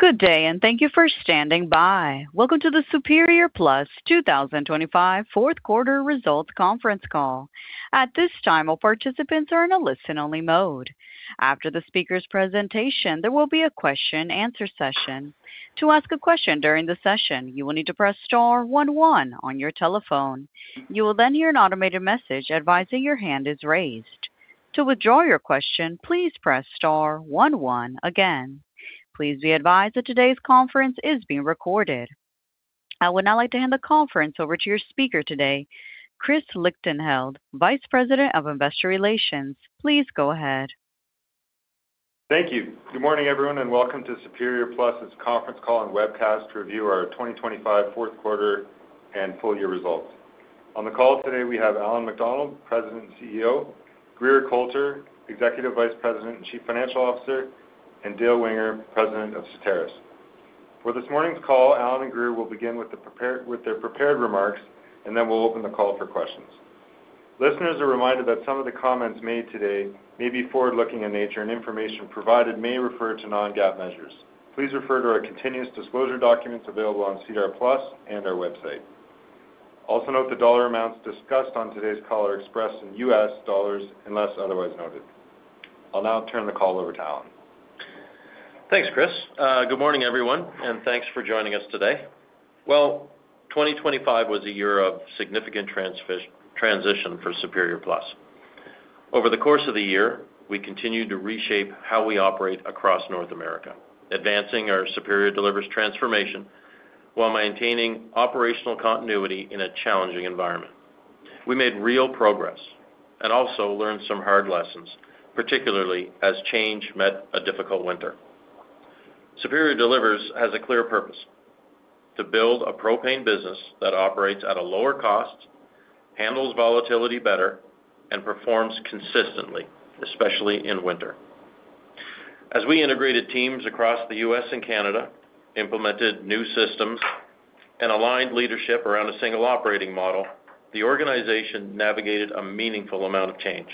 Good day, and thank you for standing by. Welcome to the Superior Plus 2025 fourth quarter results conference call. At this time, all participants are in a listen-only mode. After the speaker's presentation, there will be a question and answer session. To ask a question during the session, you will need to press star one one on your telephone. You will then hear an automated message advising your hand is raised. To withdraw your question, please press star one one again. Please be advised that today's conference is being recorded. I would now like to hand the conference over to your speaker today, Chris Lichtenheldt, Vice President of Investor Relations. Please go ahead. Thank you. Good morning, everyone, and welcome to Superior Plus's conference call and webcast to review our 2025 fourth quarter and full year results. On the call today, we have Allan MacDonald, President and CEO, Grier Colter, Executive Vice President and Chief Financial Officer, and Dale Winger, President of Certarus. For this morning's call, Allan and Grier will begin with their prepared remarks, and then we'll open the call for questions. Listeners are reminded that some of the comments made today may be forward-looking in nature, and information provided may refer to non-GAAP measures. Please refer to our continuous disclosure documents available on SEDAR+ and our website. Also note the dollar amounts discussed on today's call are expressed in US dollars, unless otherwise noted. I'll now turn the call over to Allan. Thanks, Chris. Good morning, everyone, and thanks for joining us today. Well, 2025 was a year of significant transition for Superior Plus. Over the course of the year, we continued to reshape how we operate across North America, advancing our Superior Delivers transformation while maintaining operational continuity in a challenging environment. We made real progress and also learned some hard lessons, particularly as change met a difficult winter. Superior Delivers has a clear purpose: to build a propane business that operates at a lower cost, handles volatility better, and performs consistently, especially in winter. As we integrated teams across the U.S. and Canada, implemented new systems and aligned leadership around a single operating model, the organization navigated a meaningful amount of change.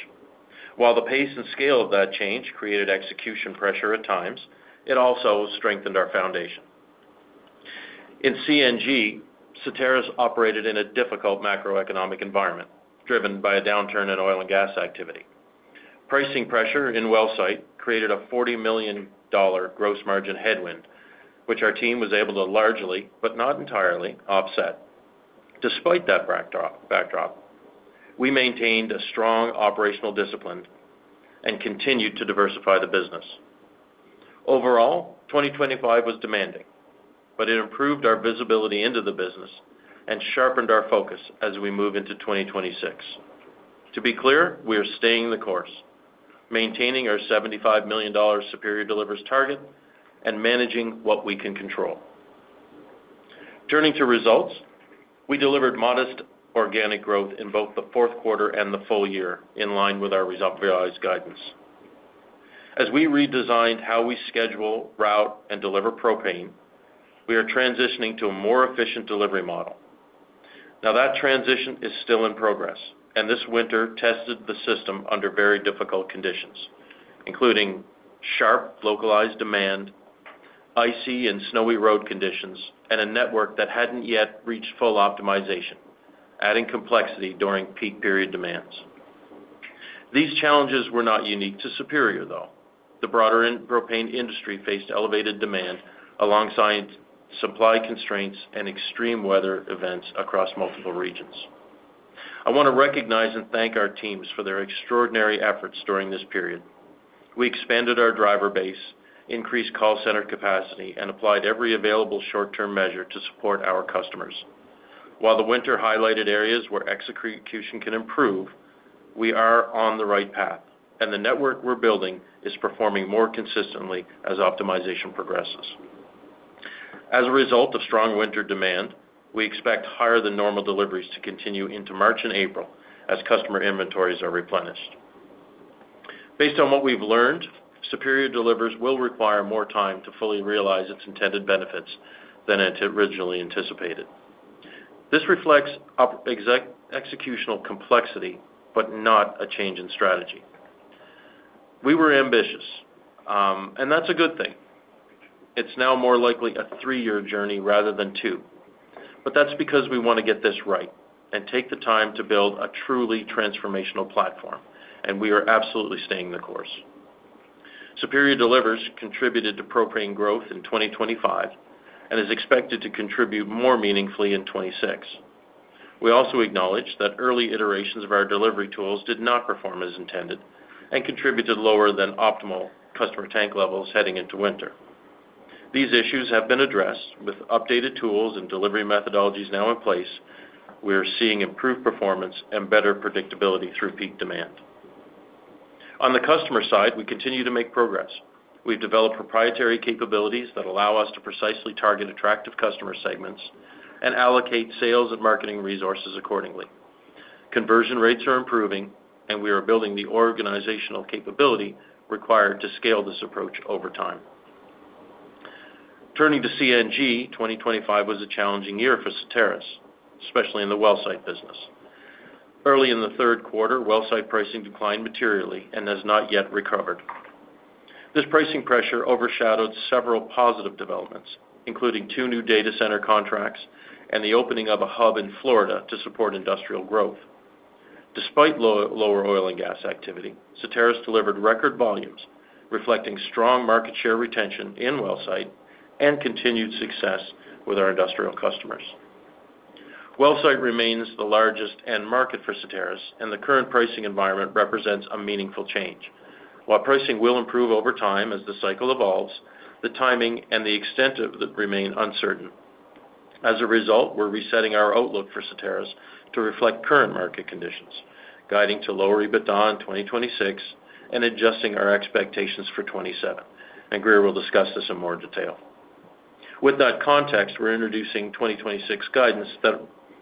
While the pace and scale of that change created execution pressure at times, it also strengthened our foundation. In CNG, Certarus operated in a difficult macroeconomic environment, driven by a downturn in oil and gas activity. Pricing pressure in wellsite created a $40 million gross margin headwind, which our team was able to largely, but not entirely, offset. Despite that backdrop, we maintained a strong operational discipline and continued to diversify the business. Overall, 2025 was demanding, but it improved our visibility into the business and sharpened our focus as we move into 2026. To be clear, we are staying the course, maintaining our $75 million Superior Delivers target and managing what we can control. Turning to results, we delivered modest organic growth in both the fourth quarter and the full year, in line with our results-realized guidance. As we redesigned how we schedule, route, and deliver propane, we are transitioning to a more efficient delivery model. Now, that transition is still in progress, and this winter tested the system under very difficult conditions, including sharp, localized demand, icy and snowy road conditions, and a network that hadn't yet reached full optimization, adding complexity during peak period demands. These challenges were not unique to Superior, though. The broader propane industry faced elevated demand alongside supply constraints and extreme weather events across multiple regions. I want to recognize and thank our teams for their extraordinary efforts during this period. We expanded our driver base, increased call center capacity, and applied every available short-term measure to support our customers. While the winter highlighted areas where execution can improve, we are on the right path, and the network we're building is performing more consistently as optimization progresses. As a result of strong winter demand, we expect higher than normal deliveries to continue into March and April as customer inventories are replenished. Based on what we've learned, Superior Delivers will require more time to fully realize its intended benefits than it originally anticipated. This reflects executional complexity, but not a change in strategy. We were ambitious, and that's a good thing. It's now more likely a three-year journey rather than 2. But that's because we want to get this right and take the time to build a truly transformational platform, and we are absolutely staying the course. Superior Delivers contributed to propane growth in 2025 and is expected to contribute more meaningfully in 2026. We also acknowledge that early iterations of our delivery tools did not perform as intended and contributed lower than optimal customer tank levels heading into winter. These issues have been addressed with updated tools and delivery methodologies now in place. We are seeing improved performance and better predictability through peak demand. On the customer side, we continue to make progress. We've developed proprietary capabilities that allow us to precisely target attractive customer segments and allocate sales and marketing resources accordingly. Conversion rates are improving, and we are building the organizational capability required to scale this approach over time. Turning to CNG, 2025 was a challenging year for Certarus, especially in the wellsite business. Early in the third quarter, wellsite pricing declined materially and has not yet recovered. This pricing pressure overshadowed several positive developments, including two new data center contracts and the opening of a hub in Florida to support industrial growth. Despite lower oil and gas activity, Certarus delivered record volumes, reflecting strong market share retention in wellsite and continued success with our industrial customers. Wellsite remains the largest end market for Certarus, and the current pricing environment represents a meaningful change. While pricing will improve over time as the cycle evolves, the timing and the extent of that remain uncertain. As a result, we're resetting our outlook for Certarus to reflect current market conditions, guiding to lower EBITDA in 2026 and adjusting our expectations for 2027, and Grier will discuss this in more detail. With that context, we're introducing 2026 guidance that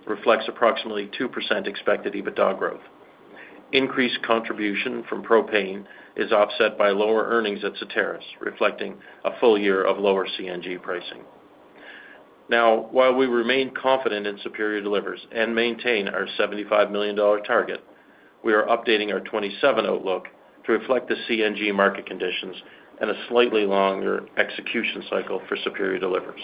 reflects approximately 2% expected EBITDA growth. Increased contribution from propane is offset by lower earnings at Certarus, reflecting a full year of lower CNG pricing. Now, while we remain confident in Superior Delivers and maintain our $75 million target, we are updating our 2027 outlook to reflect the CNG market conditions and a slightly longer execution cycle for Superior Delivers.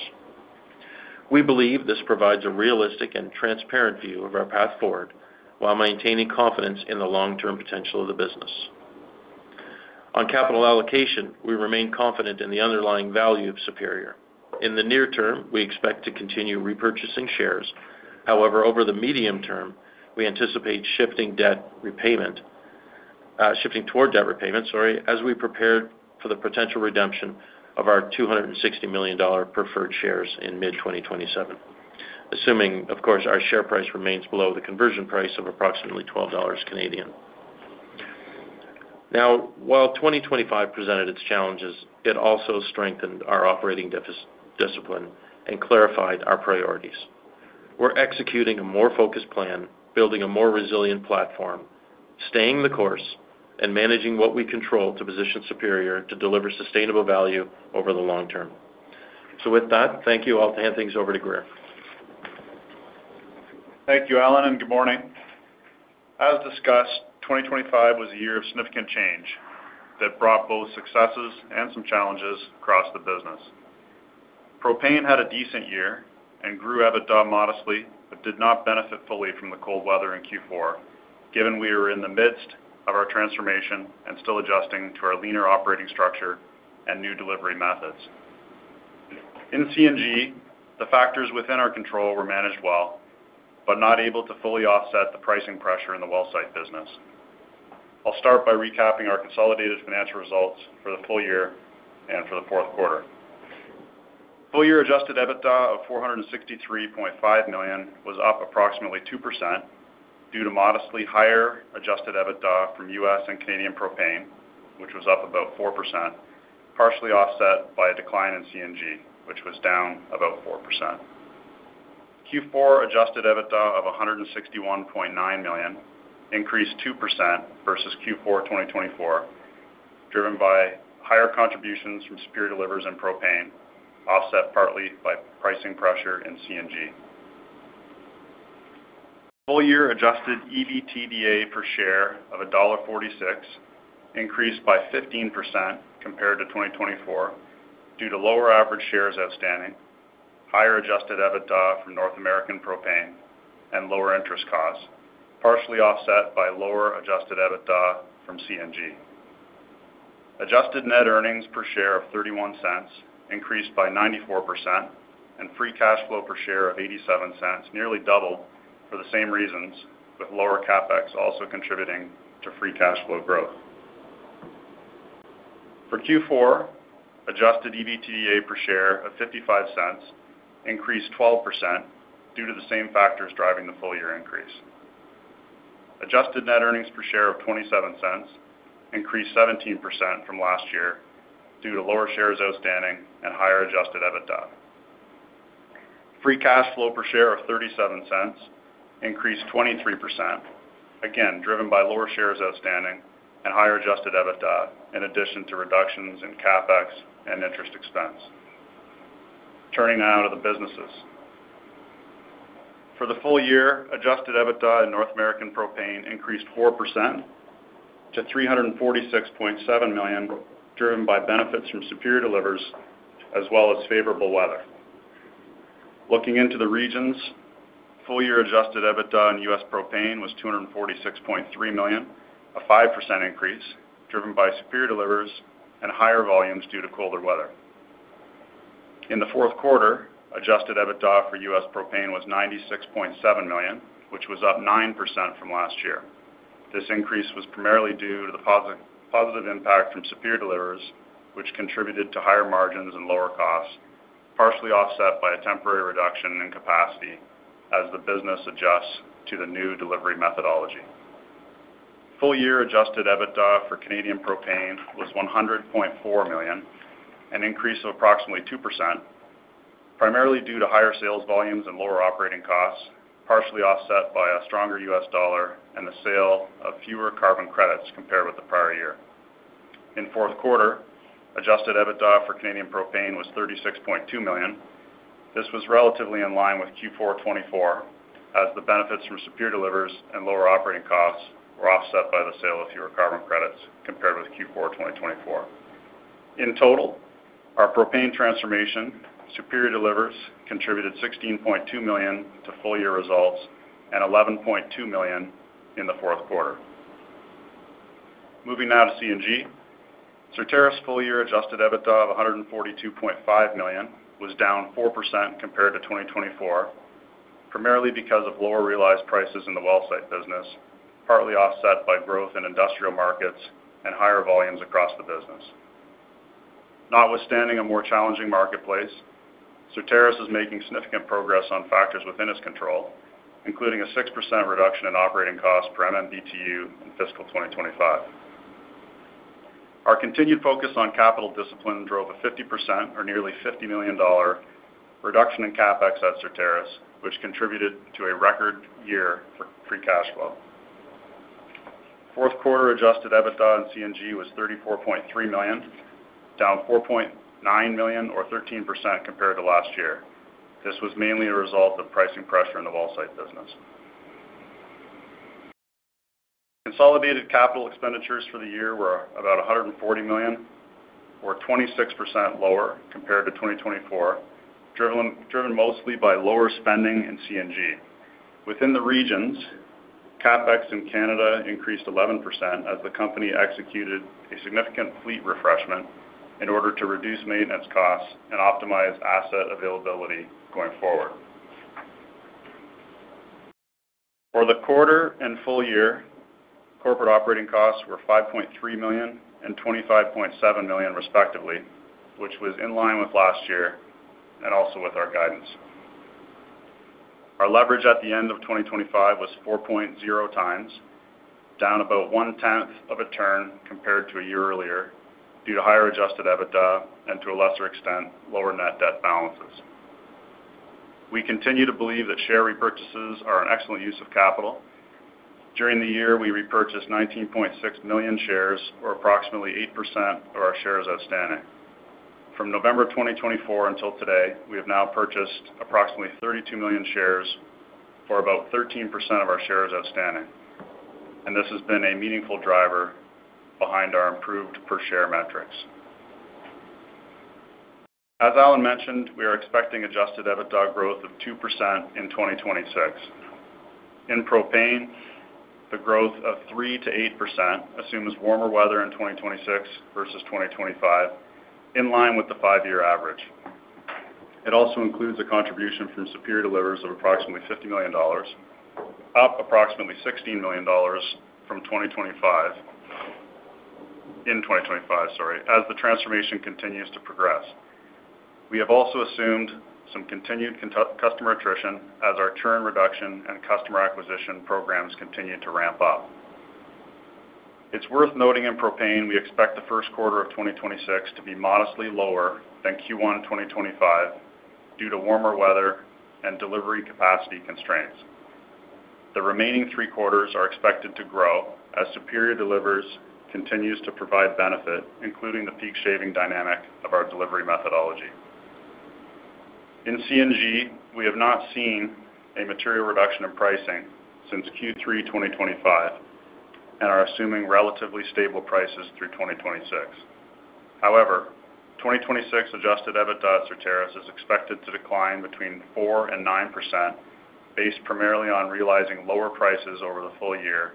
We believe this provides a realistic and transparent view of our path forward while maintaining confidence in the long-term potential of the business. On capital allocation, we remain confident in the underlying value of Superior. In the near term, we expect to continue repurchasing shares. However, over the medium term, we anticipate shifting toward debt repayment, sorry, as we prepared for the potential redemption of our $260 million preferred shares in mid-2027, assuming, of course, our share price remains below the conversion price of approximately 12 Canadian dollars. Now, while 2025 presented its challenges, it also strengthened our operating discipline and clarified our priorities. We're executing a more focused plan, building a more resilient platform, staying the course, and managing what we control to position Superior to deliver sustainable value over the long term. With that, thank you. I'll hand things over to Grier. Thank you, Allan, and good morning. As discussed, 2025 was a year of significant change that brought both successes and some challenges across the business. Propane had a decent year and grew EBITDA modestly, but did not benefit fully from the cold weather in Q4, given we were in the midst of our transformation and still adjusting to our leaner operating structure and new delivery methods. In CNG, the factors within our control were managed well, but not able to fully offset the pricing pressure in the wellsite business. I'll start by recapping our consolidated financial results for the full year and for the fourth quarter. Full year adjusted EBITDA of $463.5 million was up approximately 2% due to modestly higher adjusted EBITDA from U.S. and Canadian propane, which was up about 4%, partially offset by a decline in CNG, which was down about 4%. Q4 adjusted EBITDA of $161.9 million increased 2% versus Q4 2024, driven by higher contributions from Superior Delivers and propane, offset partly by pricing pressure in CNG. Full year adjusted EBITDA per share of $1.46 increased by 15% compared to 2024 due to lower average shares outstanding, higher adjusted EBITDA from North American propane, and lower interest costs, partially offset by lower adjusted EBITDA from CNG. Adjusted net earnings per share of $0.31 increased by 94%, and free cash flow per share of $0.87, nearly double for the same reasons, with lower CapEx also contributing to free cash flow growth. For Q4, adjusted EBITDA per share of $0.55 increased 12% due to the same factors driving the full year increase. Adjusted net earnings per share of $0.27 increased 17% from last year due to lower shares outstanding and higher adjusted EBITDA. Free cash flow per share of $0.37 increased 23%, again, driven by lower shares outstanding and higher adjusted EBITDA, in addition to reductions in CapEx and interest expense. Turning now to the businesses. For the full year, adjusted EBITDA in North American propane increased 4% to $346.7 million, driven by benefits from Superior Delivers, as well as favorable weather. Looking into the regions, full-year adjusted EBITDA in U.S. propane was $246.3 million, a 5% increase, driven by Superior Delivers and higher volumes due to colder weather. In the fourth quarter, adjusted EBITDA for U.S. propane was $96.7 million, which was up 9% from last year. This increase was primarily due to the positive impact from Superior Delivers, which contributed to higher margins and lower costs, partially offset by a temporary reduction in capacity as the business adjusts to the new delivery methodology. Full-year adjusted EBITDA for Canadian propane was $100.4 million, an increase of approximately 2%, primarily due to higher sales volumes and lower operating costs, partially offset by a stronger U.S. dollar and the sale of fewer carbon credits compared with the prior year. In fourth quarter, Adjusted EBITDA for Canadian propane was $36.2 million. This was relatively in line with Q4 2024, as the benefits from Superior Delivers and lower operating costs were offset by the sale of fewer carbon credits compared with Q4 2024. In total, our propane transformation, Superior Delivers, contributed $16.2 million to full-year results and $11.2 million in the fourth quarter. Moving now to CNG. Certarus's full-year Adjusted EBITDA of $142.5 million was down 4% compared to 2024, primarily because of lower realized prices in the wellsite business, partly offset by growth in industrial markets and higher volumes across the business. Notwithstanding a more challenging marketplace, Certarus is making significant progress on factors within its control, including a 6% reduction in operating costs per MMBtu in fiscal 2025. Our continued focus on capital discipline drove a 50% or nearly $50 million reduction in CapEx at Certarus, which contributed to a record year for free cash flow. Fourth quarter adjusted EBITDA on CNG was $34.3 million, down $4.9 million or 13% compared to last year. This was mainly a result of pricing pressure in the wellsite business. Consolidated capital expenditures for the year were about $140 million or 26% lower compared to 2024, driven mostly by lower spending in CNG. Within the regions, CapEx in Canada increased 11% as the company executed a significant fleet refreshment in order to reduce maintenance costs and optimize asset availability going forward. For the quarter and full year, corporate operating costs were $5.3 million and $25.7 million, respectively, which was in line with last year and also with our guidance. Our leverage at the end of 2025 was 4.0x, down about one-tenth of a turn compared to a year earlier, due to higher Adjusted EBITDA and, to a lesser extent, lower net debt balances. We continue to believe that share repurchases are an excellent use of capital. During the year, we repurchased 19.6 million shares or approximately 8% of our shares outstanding. From November 2024 until today, we have now purchased approximately 32 million shares for about 13% of our shares outstanding, and this has been a meaningful driver behind our improved per share metrics. As Allan mentioned, we are expecting Adjusted EBITDA growth of 2% in 2026. In propane, the growth of 3%-8% assumes warmer weather in 2026 versus 2025, in line with the five-year average. It also includes a contribution from Superior Delivers of approximately $50 million, up approximately $16 million from 2025, in 2025, sorry, as the transformation continues to progress. We have also assumed some continued customer attrition as our churn reduction and customer acquisition programs continue to ramp up. It's worth noting in propane, we expect the first quarter of 2026 to be modestly lower than Q1 2025 due to warmer weather and delivery capacity constraints. The remaining three quarters are expected to grow as Superior Delivers continues to provide benefit, including the peak shaving dynamic of our delivery methodology. In CNG, we have not seen a material reduction in pricing since Q3 2025 and are assuming relatively stable prices through 2026. However, 2026 Adjusted EBITDA Certarus is expected to decline between 4% and 9%, based primarily on realizing lower prices over the full year,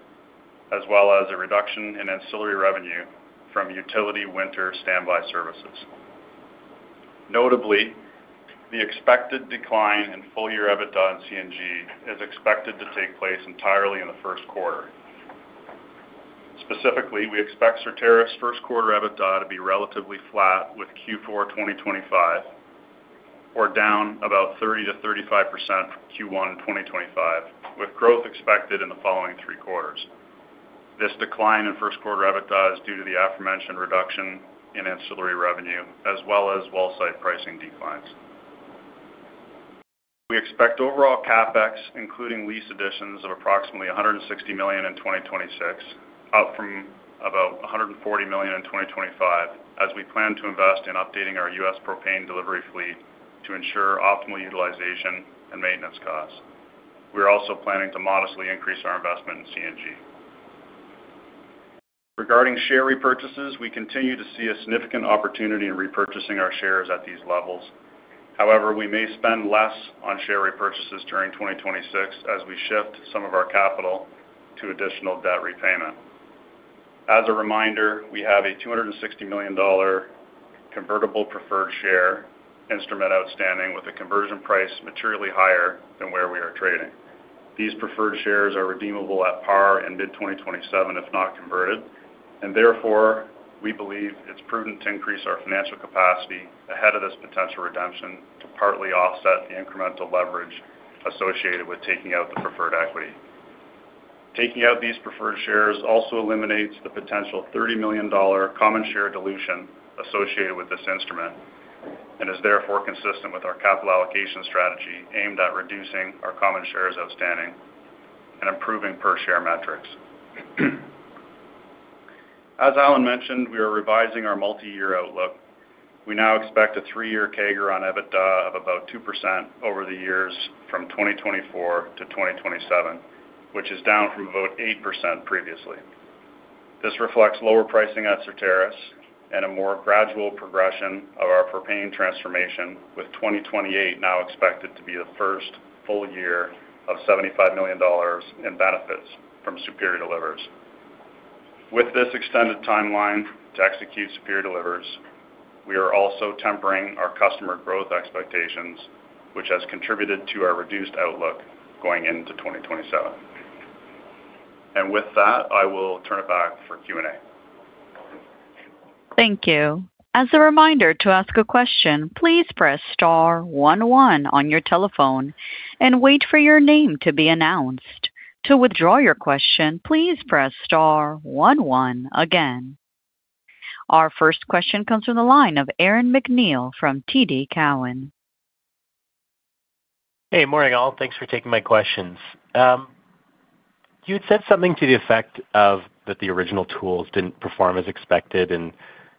as well as a reduction in ancillary revenue from utility winter standby services. Notably, the expected decline in full-year EBITDA in CNG is expected to take place entirely in the first quarter. Specifically, we expect Certarus's first quarter EBITDA to be relatively flat with Q4 2025 or down about 30%-35% from Q1 2025, with growth expected in the following three quarters. This decline in first quarter EBITDA is due to the aforementioned reduction in ancillary revenue, as well as wellsite pricing declines. We expect overall CapEx, including lease additions, of approximately $160 million in 2026, up from about $140 million in 2025, as we plan to invest in updating our U.S. propane delivery fleet to ensure optimal utilization and maintenance costs. We are also planning to modestly increase our investment in CNG. Regarding share repurchases, we continue to see a significant opportunity in repurchasing our shares at these levels. However, we may spend less on share repurchases during 2026 as we shift some of our capital to additional debt repayment. As a reminder, we have a $260 million convertible preferred share instrument outstanding with a conversion price materially higher than where we are trading. These preferred shares are redeemable at par in mid-2027, if not converted, and therefore, we believe it's prudent to increase our financial capacity ahead of this potential redemption to partly offset the incremental leverage associated with taking out the preferred equity. Taking out these preferred shares also eliminates the potential $30 million common share dilution associated with this instrument and is therefore consistent with our capital allocation strategy aimed at reducing our common shares outstanding.... and improving per share metrics. As Allan mentioned, we are revising our multi-year outlook. We now expect a three-year CAGR on EBITDA of about 2% over the years from 2024 to 2027, which is down from about 8% previously. This reflects lower pricing at Certarus and a more gradual progression of our propane transformation, with 2028 now expected to be the first full year of $75 million in benefits from Superior Delivers. With this extended timeline to execute Superior Delivers, we are also tempering our customer growth expectations, which has contributed to our reduced outlook going into 2027. And with that, I will turn it back for Q&A. Thank you. As a reminder to ask a question, please press star one one on your telephone and wait for your name to be announced. To withdraw your question, please press star one one again. Our first question comes from the line of Aaron MacNeil from TD Cowen. Hey, morning, all. Thanks for taking my questions. You had said something to the effect of that the original tools didn't perform as expected, and,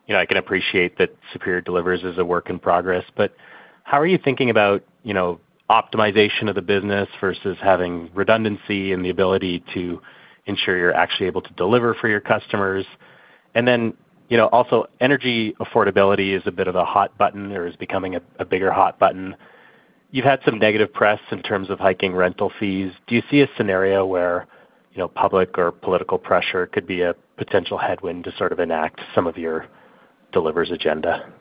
you know, I can appreciate that Superior Delivers is a work in progress, but how are you thinking about, you know, optimization of the business versus having redundancy and the ability to ensure you're actually able to deliver for your customers? And then, you know, also, energy affordability is a bit of a hot button, or is becoming a, a bigger hot button. You've had some negative press in terms of hiking rental fees. Do you see a scenario where, you know, public or political pressure could be a potential headwind to sort of enact some of your Delivers agenda?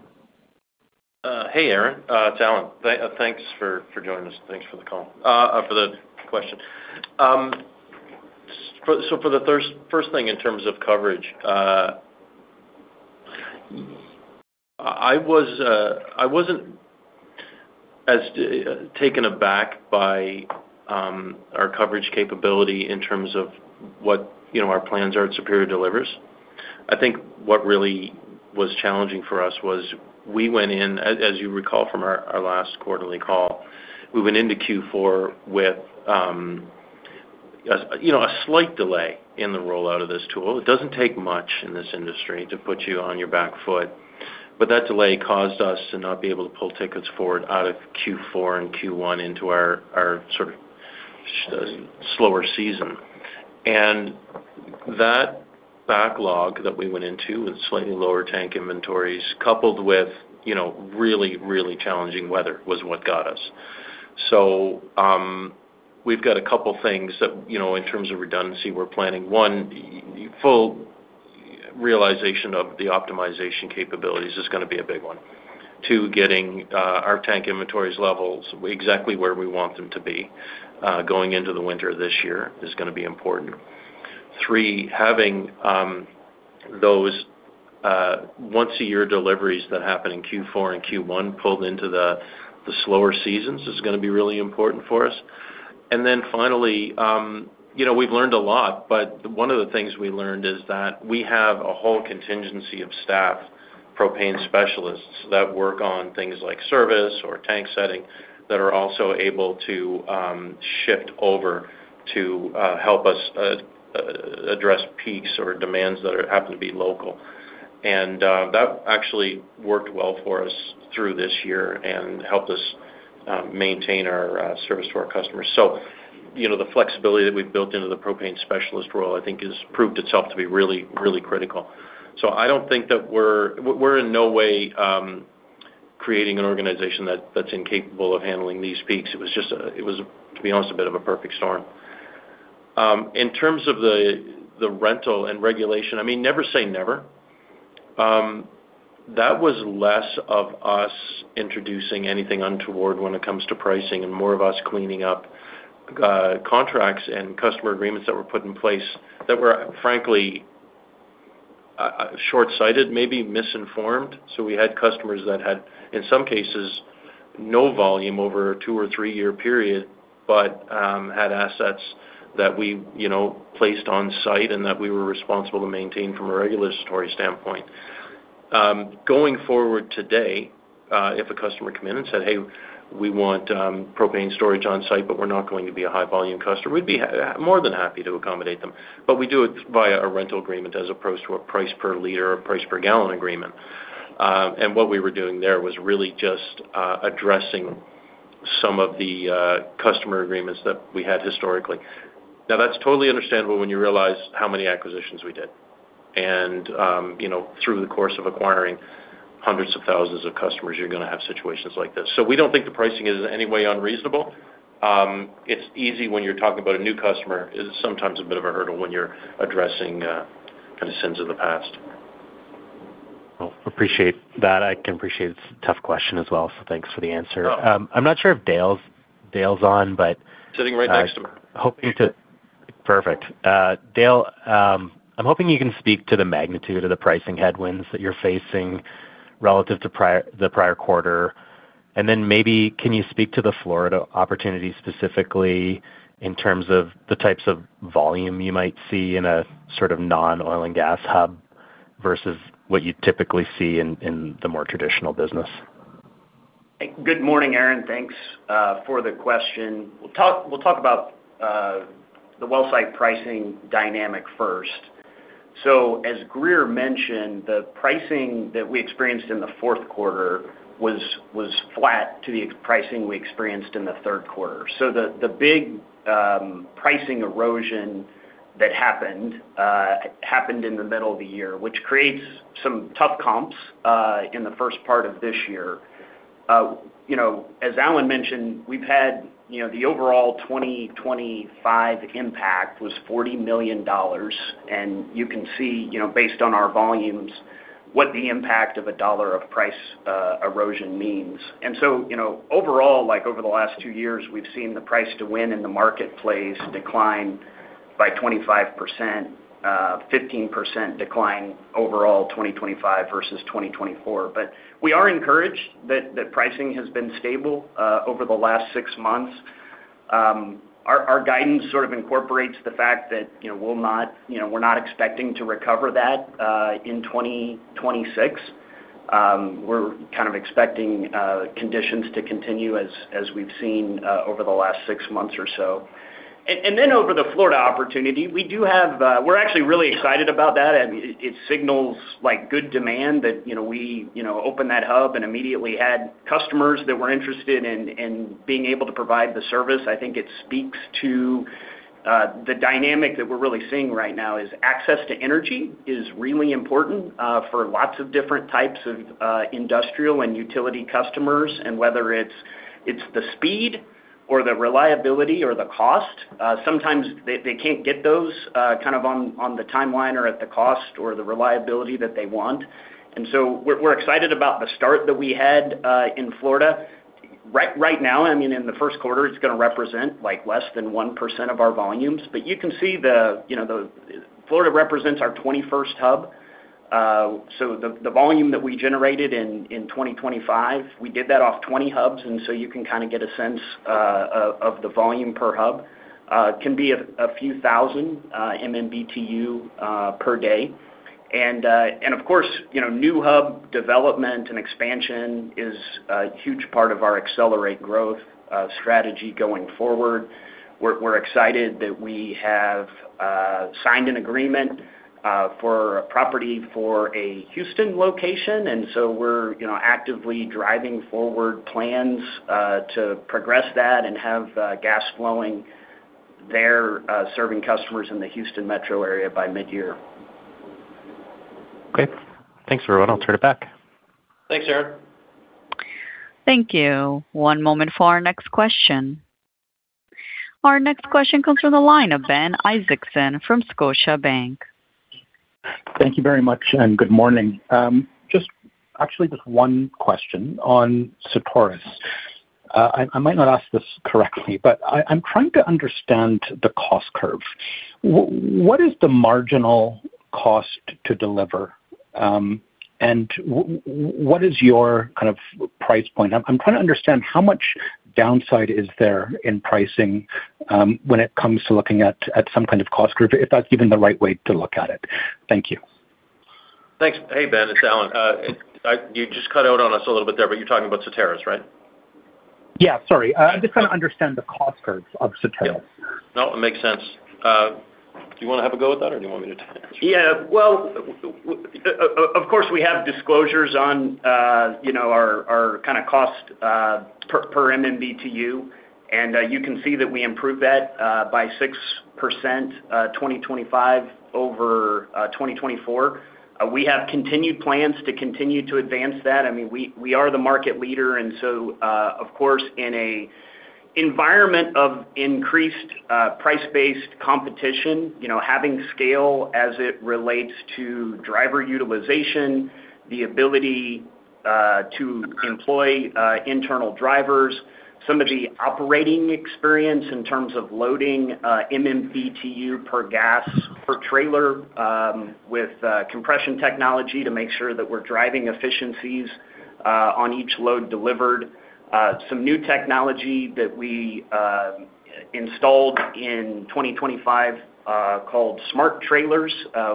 Hey, Aaron, it's Allan. Thanks for joining us. Thanks for the call for the question. For the first thing in terms of coverage, I wasn't as taken aback by our coverage capability in terms of what, you know, our plans are at Superior Delivers. I think what really was challenging for us was we went in, as you recall from our last quarterly call, we went into Q4 with a slight delay in the rollout of this tool. It doesn't take much in this industry to put you on your back foot, but that delay caused us to not be able to pull tickets forward out of Q4 and Q1 into our sort of slower season. That backlog that we went into with slightly lower tank inventories, coupled with, you know, really, really challenging weather, was what got us. So, we've got a couple things that, you know, in terms of redundancy, we're planning. One, full realization of the optimization capabilities is gonna be a big one. Two, getting our tank inventories levels exactly where we want them to be going into the winter this year is gonna be important. Three, having those once-a-year deliveries that happen in Q4 and Q1 pulled into the slower seasons is gonna be really important for us. And then finally, you know, we've learned a lot, but one of the things we learned is that we have a whole contingent of staff, propane specialists, that work on things like service or tank setting, that are also able to shift over to help us address peaks or demands that happen to be local. And that actually worked well for us through this year and helped us maintain our service to our customers. So, you know, the flexibility that we've built into the propane specialist role, I think, has proved itself to be really, really critical. So I don't think that we're in no way creating an organization that's incapable of handling these peaks. It was just, to be honest, a bit of a perfect storm. In terms of the rental and regulation, I mean, never say never. That was less of us introducing anything untoward when it comes to pricing, and more of us cleaning up contracts and customer agreements that were put in place that were, frankly, shortsighted, maybe misinformed. So we had customers that had, in some cases, no volume over a 2- or 3-year period, but had assets that we, you know, placed on site and that we were responsible to maintain from a regulatory standpoint. Going forward today, if a customer came in and said, "Hey, we want propane storage on site, but we're not going to be a high-volume customer," we'd be more than happy to accommodate them. But we do it via a rental agreement as opposed to a price-per-liter or price-per-gallon agreement. and what we were doing there was really just addressing some of the customer agreements that we had historically. Now, that's totally understandable when you realize how many acquisitions we did. And, you know, through the course of acquiring hundreds of thousands of customers, you're gonna have situations like this. So we don't think the pricing is in any way unreasonable. It's easy when you're talking about a new customer, it's sometimes a bit of a hurdle when you're addressing kind of sins of the past. Well, appreciate that. I can appreciate it's a tough question as well, so thanks for the answer. No. I'm not sure if Dale's on, but- Sitting right next to me. Dale, I'm hoping you can speak to the magnitude of the pricing headwinds that you're facing relative to prior, the prior quarter. And then maybe, can you speak to the Florida opportunity, specifically in terms of the types of volume you might see in a sort of non-oil and gas hub, versus what you'd typically see in the more traditional business?... Good morning, Aaron. Thanks for the question. We'll talk about the wellsite pricing dynamic first. So as Grier mentioned, the pricing that we experienced in the fourth quarter was flat to the pricing we experienced in the third quarter. So the big pricing erosion that happened happened in the middle of the year, which creates some tough comps in the first part of this year. You know, as Allan mentioned, we've had the overall 2025 impact was $40 million, and you can see based on our volumes, what the impact of a dollar of price erosion means. And so, you know, overall, like over the last two years, we've seen the price to win in the marketplace decline by 25%, 15% decline overall, 2025 versus 2024. But we are encouraged that pricing has been stable over the last six months. Our guidance sort of incorporates the fact that, you know, we'll not, you know, we're not expecting to recover that in 2026. We're kind of expecting conditions to continue as we've seen over the last six months or so. And then over the Florida opportunity, we do have, we're actually really excited about that, and it signals like good demand that, you know, we, you know, open that hub and immediately had customers that were interested in being able to provide the service. I think it speaks to the dynamic that we're really seeing right now, is access to energy is really important for lots of different types of industrial and utility customers, and whether it's the speed or the reliability or the cost, sometimes they can't get those kind of on the timeline or at the cost or the reliability that they want. And so we're excited about the start that we had in Florida. Right now, I mean, in the first quarter, it's going to represent, like, less than 1% of our volumes. But you can see the, you know, Florida represents our twenty-first hub. So the volume that we generated in 2025, we did that off 20 hubs, and so you can kind of get a sense of the volume per hub. It can be a few thousand MMBtu per day. And of course, you know, new hub development and expansion is a huge part of our accelerate growth strategy going forward. We're excited that we have signed an agreement for a property for a Houston location, and so we're, you know, actively driving forward plans to progress that and have gas flowing there, serving customers in the Houston metro area by midyear. Great. Thanks, everyone. I'll turn it back. Thanks, Aaron. Thank you. One moment for our next question. Our next question comes from the line of Ben Isaacson from Scotiabank. Thank you very much, and good morning. Actually, just one question on Certarus. I might not ask this correctly, but I'm trying to understand the cost curve. What is the marginal cost to deliver, and what is your kind of price point? I'm trying to understand how much downside is there in pricing, when it comes to looking at some kind of cost curve, if that's even the right way to look at it. Thank you. Thanks. Hey, Ben, it's Allan. You just cut out on us a little bit there, but you're talking about Certarus, right? Yeah, sorry. I'm just trying to understand the cost curves of Certarus. No, it makes sense. Do you want to have a go with that, or do you want me to answer? Yeah, well, of course, we have disclosures on, you know, our kind of cost per MMBtu, and, you can see that we improved that by 6%, 2025 over 2024. We have continued plans to continue to advance that. I mean, we are the market leader, and so, of course, in an environment of increased price-based competition, you know, having scale as it relates to driver utilization, the ability to employ internal drivers, some of the operating experience in terms of loading MMBtu per gas per trailer, with compression technology to make sure that we're driving efficiencies on each load delivered. Some new technology that we installed in 2025, called smart trailers.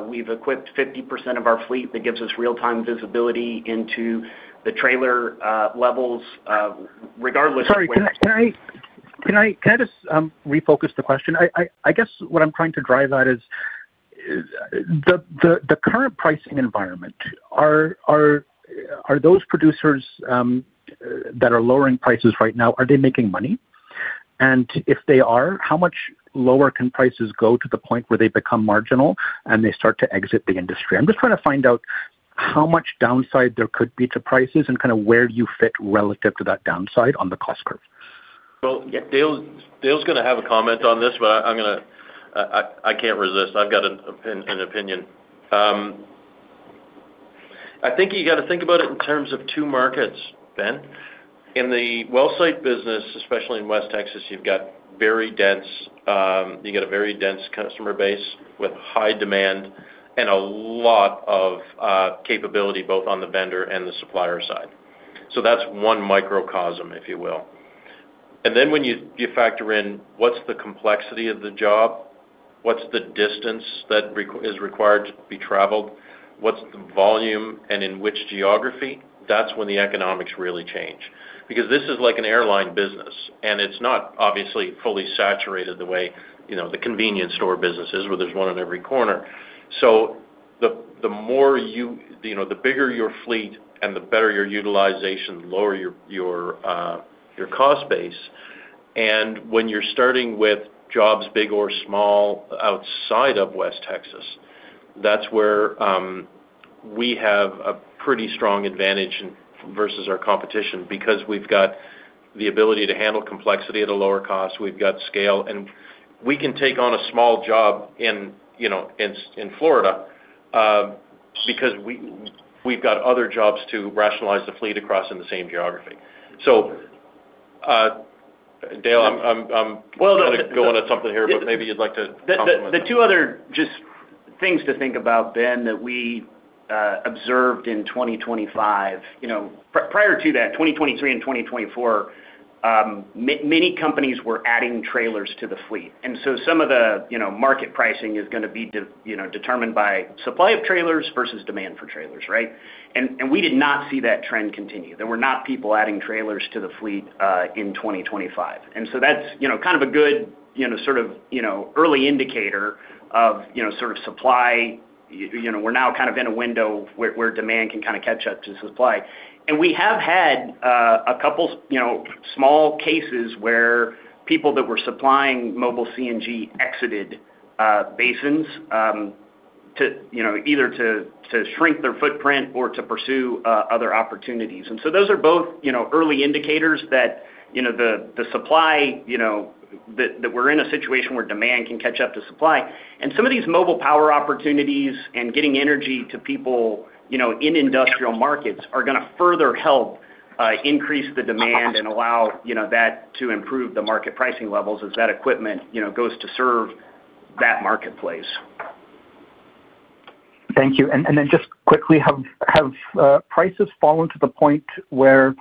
We've equipped 50% of our fleet. That gives us real-time visibility into the trailer levels, regardless- Sorry, can I just refocus the question? I guess what I'm trying to drive at is the current pricing environment. Are those producers that are lowering prices right now making money? And if they are, how much lower can prices go to the point where they become marginal, and they start to exit the industry? I'm just trying to find out how much downside there could be to prices and kind of where you fit relative to that downside on the cost curve. Well, yeah, Dale's going to have a comment on this, but I'm going to... I can't resist. I've got an opinion. I think you got to think about it in terms of two markets, Ben. In the wellsite business, especially in West Texas, you've got very dense, you get a very dense customer base with high demand and a lot of capability, both on the vendor and the supplier side. So that's one microcosm, if you will.... And then when you factor in what's the complexity of the job, what's the distance that is required to be traveled, what's the volume, and in which geography, that's when the economics really change. Because this is like an airline business, and it's not obviously fully saturated the way, you know, the convenience store business is, where there's one on every corner. So the more you know, the bigger your fleet and the better your utilization, the lower your cost base. And when you're starting with jobs, big or small, outside of West Texas, that's where we have a pretty strong advantage versus our competition, because we've got the ability to handle complexity at a lower cost. We've got scale, and we can take on a small job in, you know, Florida, because we've got other jobs to rationalize the fleet across in the same geography. So, Dale, I'm- Well, the- - going to go on to something here, but maybe you'd like to comment. The two other just things to think about, Ben, that we observed in 2025. You know, prior to that, 2023 and 2024, many companies were adding trailers to the fleet, and so some of the, you know, market pricing is going to be determined by supply of trailers versus demand for trailers, right? And we did not see that trend continue. There were not people adding trailers to the fleet in 2025. And so that's, you know, kind of a good, you know, sort of, you know, early indicator of, you know, sort of supply. You know, we're now kind of in a window where demand can kind of catch up to supply. And we have had a couple, you know, small cases where people that were supplying mobile CNG exited basins to, you know, either to shrink their footprint or to pursue other opportunities. And so those are both, you know, early indicators that, you know, the supply, you know, that we're in a situation where demand can catch up to supply. And some of these mobile power opportunities and getting energy to people, you know, in industrial markets are going to further help increase the demand and allow, you know, that to improve the market pricing levels as that equipment, you know, goes to serve that marketplace. Thank you. And then just quickly, have prices fallen to the point where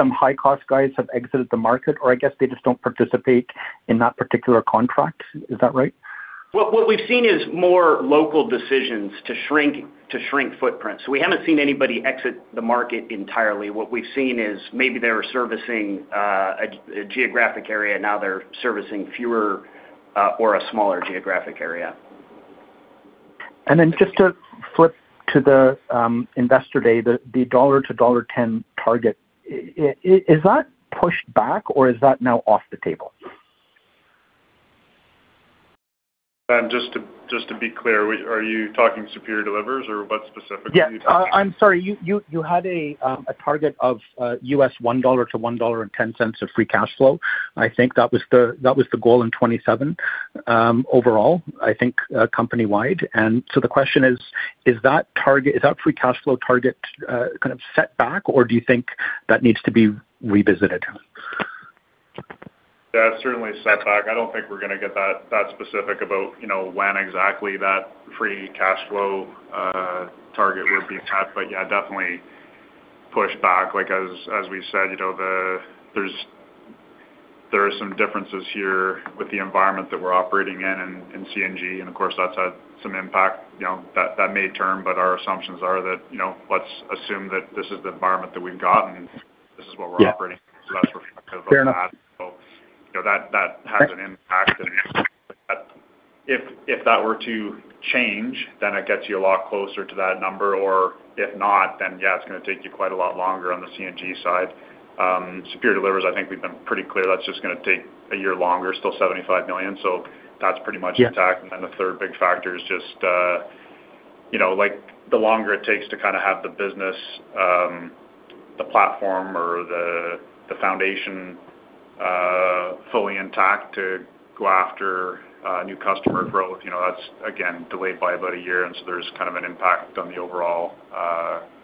some high-cost guys have exited the market, or I guess they just don't participate in that particular contract? Is that right? Well, what we've seen is more local decisions to shrink footprints. We haven't seen anybody exit the market entirely. What we've seen is maybe they were servicing a geographic area, now they're servicing fewer, or a smaller geographic area. Just to flip to the Investor Day, the $1-$1.10 target, is that pushed back or is that now off the table? Just to, just to be clear, are you talking Superior Delivers or what specifically are you talking about? Yeah. I'm sorry. You had a target of $1-$1.10 of free cash flow. I think that was the goal in 2027, overall, I think, company-wide. And so the question is: Is that target— is that free cash flow target, kind of set back, or do you think that needs to be revisited? Yeah, certainly set back. I don't think we're going to get that specific about, you know, when exactly that free cash flow target would be hit. But yeah, definitely pushed back. Like, as we said, you know, there are some differences here with the environment that we're operating in CNG, and of course, that's had some impact, you know, that medium term, but our assumptions are that, you know, let's assume that this is the environment that we've got, and this is what we're operating. Yeah. So that's reflective of that. Fair enough. You know, that has an impact. If that were to change, then it gets you a lot closer to that number, or if not, then, yeah, it's going to take you quite a lot longer on the CNG side. Superior Delivers, I think we've been pretty clear, that's just going to take a year longer, still $75 million, so that's pretty much intact. Yeah. And then the third big factor is just, you know, like, the longer it takes to kind of have the business, the platform or the, the foundation, fully intact to go after, new customer growth, you know, that's again, delayed by about a year. And so there's kind of an impact on the overall,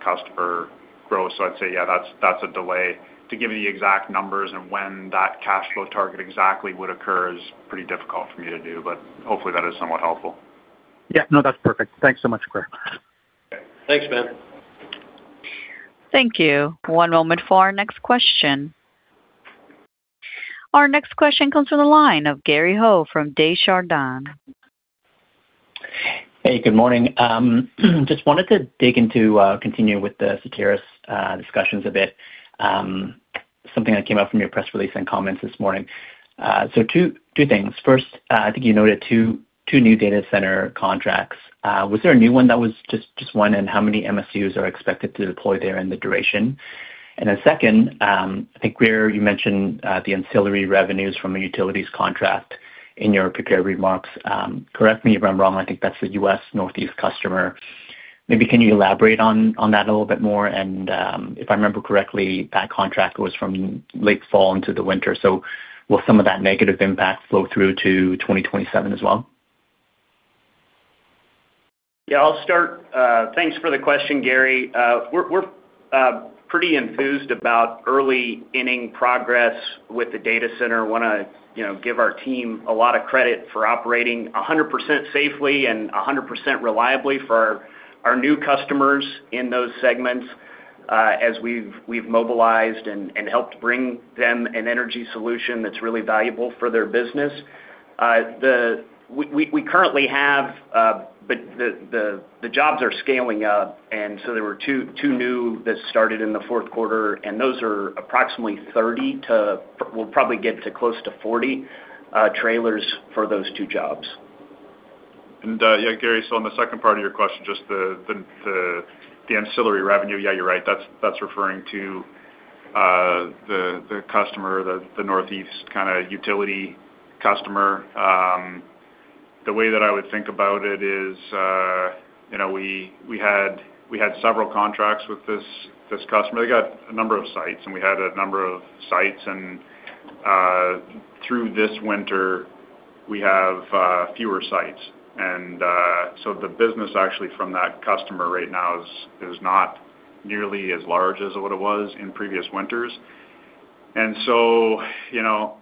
customer growth. So I'd say, yeah, that's, that's a delay. To give you the exact numbers and when that cash flow target exactly would occur is pretty difficult for me to do, but hopefully, that is somewhat helpful. Yeah. No, that's perfect. Thanks so much, Grier. Thanks, Ben. Thank you. One moment for our next question. Our next question comes from the line of Gary Ho from Desjardins. Hey, good morning. Just wanted to dig into, continue with the Certarus's discussions a bit. Something that came up from your press release and comments this morning. So two things. First, I think you noted two new data center contracts. Was there a new one that was just one, and how many MSUs are expected to deploy there in the duration? And then second, I think, Grier, you mentioned the ancillary revenues from a utilities contract in your prepared remarks. Correct me if I'm wrong, I think that's the U.S. Northeast customer. Maybe can you elaborate on that a little bit more? And, if I remember correctly, that contract was from late fall into the winter. So will some of that negative impact flow through to 2027 as well? Yeah, I'll start. Thanks for the question, Gary. We're pretty enthused about early inning progress with the data center. Want to, you know, give our team a lot of credit for operating 100% safely and 100% reliably for our new customers in those segments.... as we've mobilized and helped bring them an energy solution that's really valuable for their business. We currently have, but the jobs are scaling up, and so there were 2 new that started in the fourth quarter, and those are approximately 30 to, we'll probably get to close to 40 trailers for those 2 jobs. Yeah, Gary, so on the second part of your question, just the ancillary revenue, yeah, you're right. That's referring to the customer, the Northeast kind of utility customer. The way that I would think about it is, you know, we had several contracts with this customer. They got a number of sites, and we had a number of sites, and through this winter, we have fewer sites. So the business actually from that customer right now is not nearly as large as what it was in previous winters. And so, you know,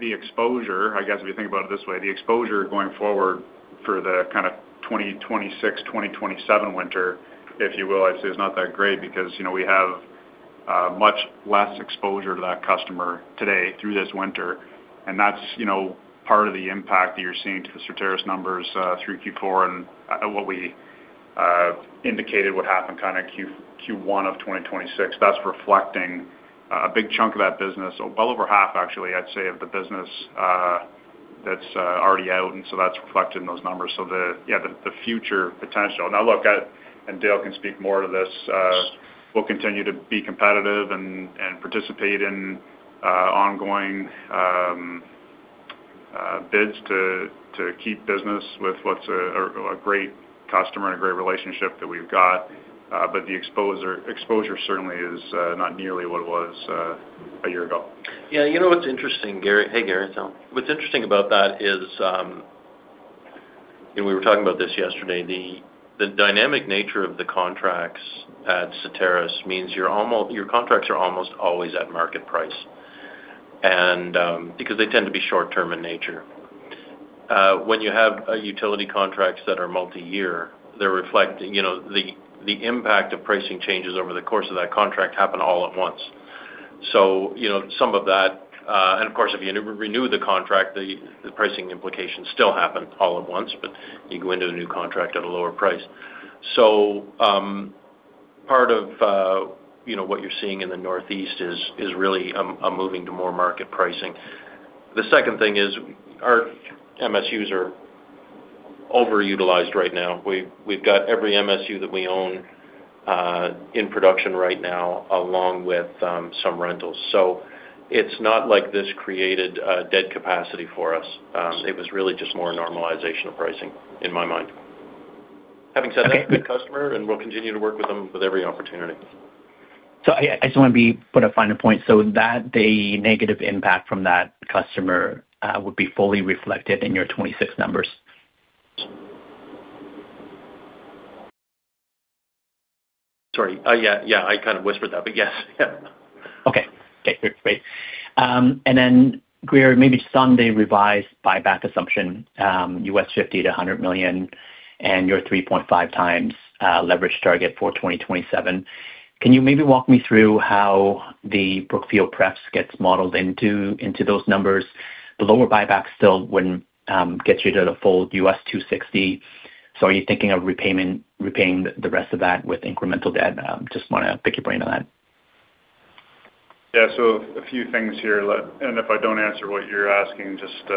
the exposure, I guess, if you think about it this way, the exposure going forward for the kind of 2026, 2027 winter, if you will, I'd say is not that great because, you know, we have much less exposure to that customer today through this winter. And that's, you know, part of the impact that you're seeing to the Certarus's numbers through Q4 and what we indicated what happened kind of Q1 of 2026. That's reflecting a big chunk of that business. Well over half, actually, I'd say, of the business that's already out, and so that's reflected in those numbers. So the, yeah, the future potential... Now, look, I, and Dale can speak more to this. We'll continue to be competitive and participate in ongoing bids to keep business with what's a great customer and a great relationship that we've got. But the exposure certainly is not nearly what it was a year ago. Yeah, you know what's interesting, Gary? Hey, Gary, it's Dale. What's interesting about that is, and we were talking about this yesterday, the dynamic nature of the contracts at Certarus means your contracts are almost always at market price, and, because they tend to be short-term in nature. When you have utility contracts that are multi-year, they're reflecting, you know, the impact of pricing changes over the course of that contract happen all at once. So, you know, some of that, and of course, if you renew the contract, the pricing implications still happen all at once, but you go into a new contract at a lower price. So, part of, you know, what you're seeing in the Northeast is really a moving to more market pricing. The second thing is our MSUs are overutilized right now. We've got every MSU that we own in production right now, along with some rentals. So it's not like this created a dead capacity for us. It was really just more normalization of pricing, in my mind. Having said that, it's a good customer, and we'll continue to work with them with every opportunity. I just wanna put a final point. So that the negative impact from that customer would be fully reflected in your 26 numbers? Sorry. Yeah, yeah, I kind of whispered that, but yes. Yeah. Okay. Okay, great. And then, Gary, maybe some revised buyback assumption, $50-$100 million, and your 3.5x leverage target for 2027. Can you maybe walk me through how the Brookfield Prefs gets modeled into those numbers? The lower buyback still wouldn't get you to the full $260 million. So are you thinking of repaying the rest of that with incremental debt? Just wanna pick your brain on that. Yeah, so a few things here. And if I don't answer what you're asking, just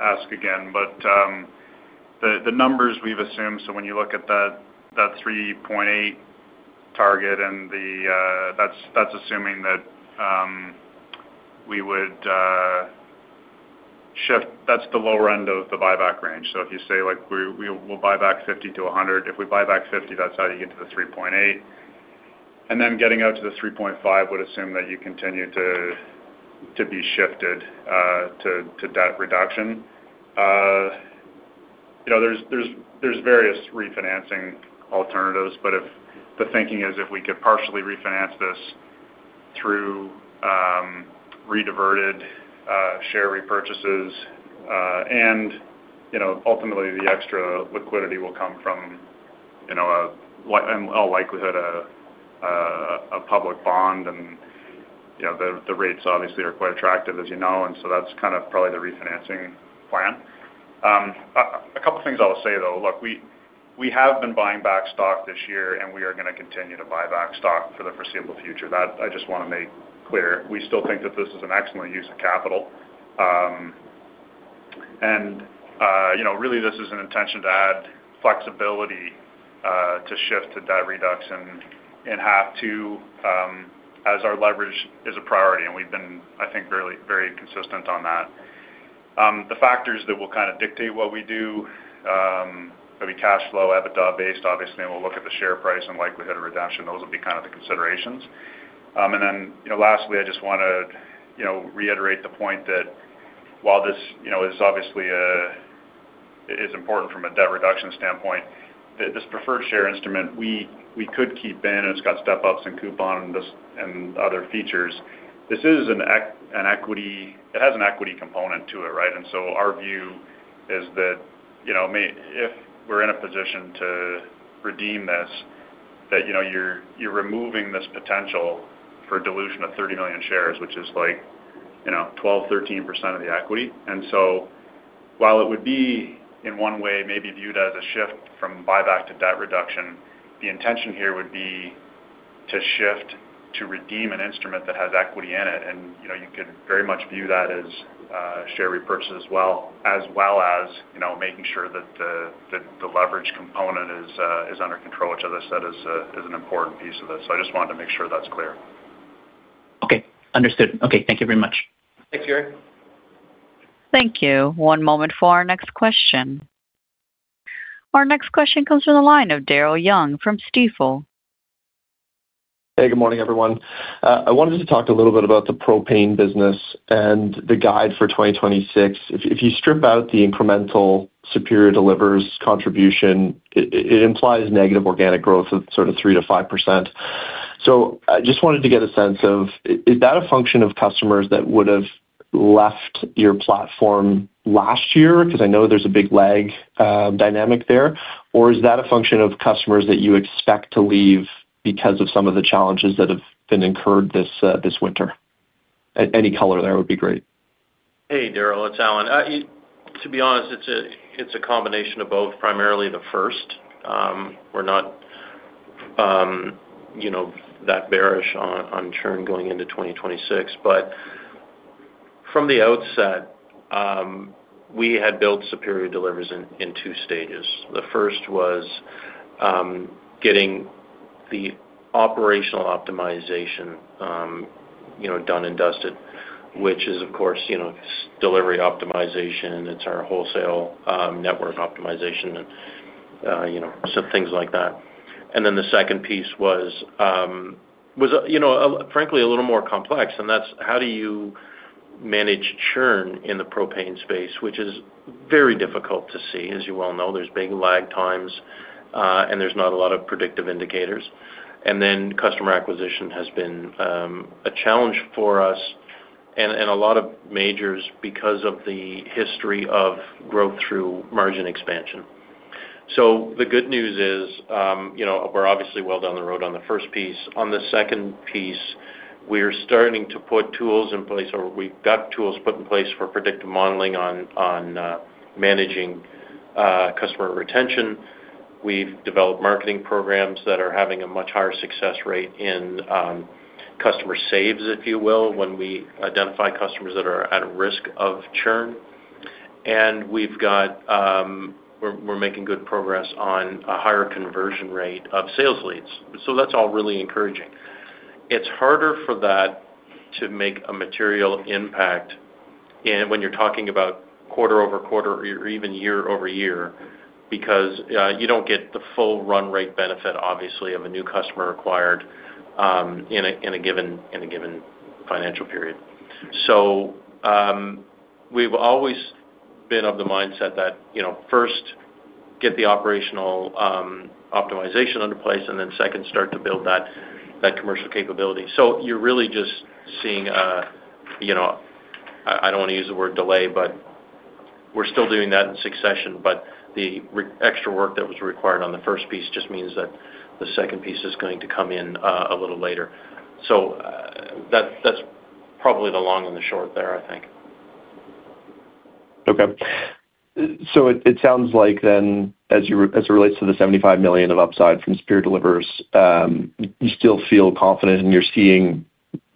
ask again. But the numbers we've assumed, so when you look at that 3.8 target and the... That's assuming that we would shift. That's the lower end of the buyback range. So if you say, like, we, we'll buy back 50-100, if we buy back 50, that's how you get to the 3.8. And then getting out to the 3.5 would assume that you continue to be shifted to debt reduction. You know, there's various refinancing alternatives, but if the thinking is if we could partially refinance this through redirected share repurchases, and you know, ultimately, the extra liquidity will come from, you know, in all likelihood, a public bond, and you know, the rates obviously are quite attractive, as you know, and so that's kind of probably the refinancing plan. A couple things I'll say, though. Look, we have been buying back stock this year, and we are gonna continue to buy back stock for the foreseeable future. That I just want to make clear. We still think that this is an excellent use of capital. And, you know, really, this is an intention to add flexibility to shift to debt reduction in half two, as our leverage is a priority, and we've been, I think, really very consistent on that. The factors that will kind of dictate what we do will be cash flow, EBITDA-based, obviously, and we'll look at the share price and likelihood of redemption. Those will be kind of the considerations. And then, you know, lastly, I just want to, you know, reiterate the point that while this, you know, is obviously is important from a debt reduction standpoint, this preferred share instrument, we could keep in, and it's got step-ups and coupon and this, and other features. This is an equity. It has an equity component to it, right? And so our view is that-... you know, may if we're in a position to redeem this, that you know you're removing this potential for dilution of 30 million shares, which is like you know 12%-13% of the equity. And so while it would be in one way maybe viewed as a shift from buyback to debt reduction, the intention here would be to shift to redeem an instrument that has equity in it. And you know you could very much view that as share repurchase as well as well as you know making sure that that the leverage component is under control, which as I said is an important piece of this. So I just wanted to make sure that's clear. Okay, understood. Okay, thank you very much. Thanks, Yuri. Thank you. One moment for our next question. Our next question comes from the line of Daryl Young from Stifel. Hey, good morning, everyone. I wanted to talk a little bit about the propane business and the guide for 2026. If you strip out the incremental Superior Delivers contribution, it implies negative organic growth of sort of 3%-5%. So I just wanted to get a sense of, is that a function of customers that would have left your platform last year? Because I know there's a big lag dynamic there. Or is that a function of customers that you expect to leave because of some of the challenges that have been incurred this winter? Any color there would be great. Hey, Daryl, it's Alan. To be honest, it's a combination of both, primarily the first. We're not, you know, that bearish on churn going into 2026. But from the outset, we had built Superior Delivers in two stages. The first was getting the operational optimization, you know, done and dusted, which is, of course, you know, delivery optimization. It's our wholesale network optimization and, you know, so things like that. And then the second piece was, you know, frankly, a little more complex, and that's how do you manage churn in the propane space, which is very difficult to see. As you well know, there's big lag times and there's not a lot of predictive indicators. And then customer acquisition has been a challenge for us and a lot of majors because of the history of growth through margin expansion. So the good news is, you know, we're obviously well down the road on the first piece. On the second piece, we are starting to put tools in place, or we've got tools put in place for predictive modeling on managing customer retention. We've developed marketing programs that are having a much higher success rate in customer saves, if you will, when we identify customers that are at risk of churn. And we've got we're making good progress on a higher conversion rate of sales leads. So that's all really encouraging. It's harder for that to make a material impact in, when you're talking about quarter-over-quarter or even year-over-year, because you don't get the full run rate benefit, obviously, of a new customer acquired in a given financial period. So we've always been of the mindset that, you know, first, get the operational optimization into place, and then second, start to build that commercial capability. So you're really just seeing, you know, I don't want to use the word delay, but we're still doing that in succession. But the extra work that was required on the first piece just means that the second piece is going to come in a little later. So that's probably the long and the short there, I think. Okay. So it sounds like then, as it relates to the $75 million of upside from Superior Delivers, you still feel confident, and you're seeing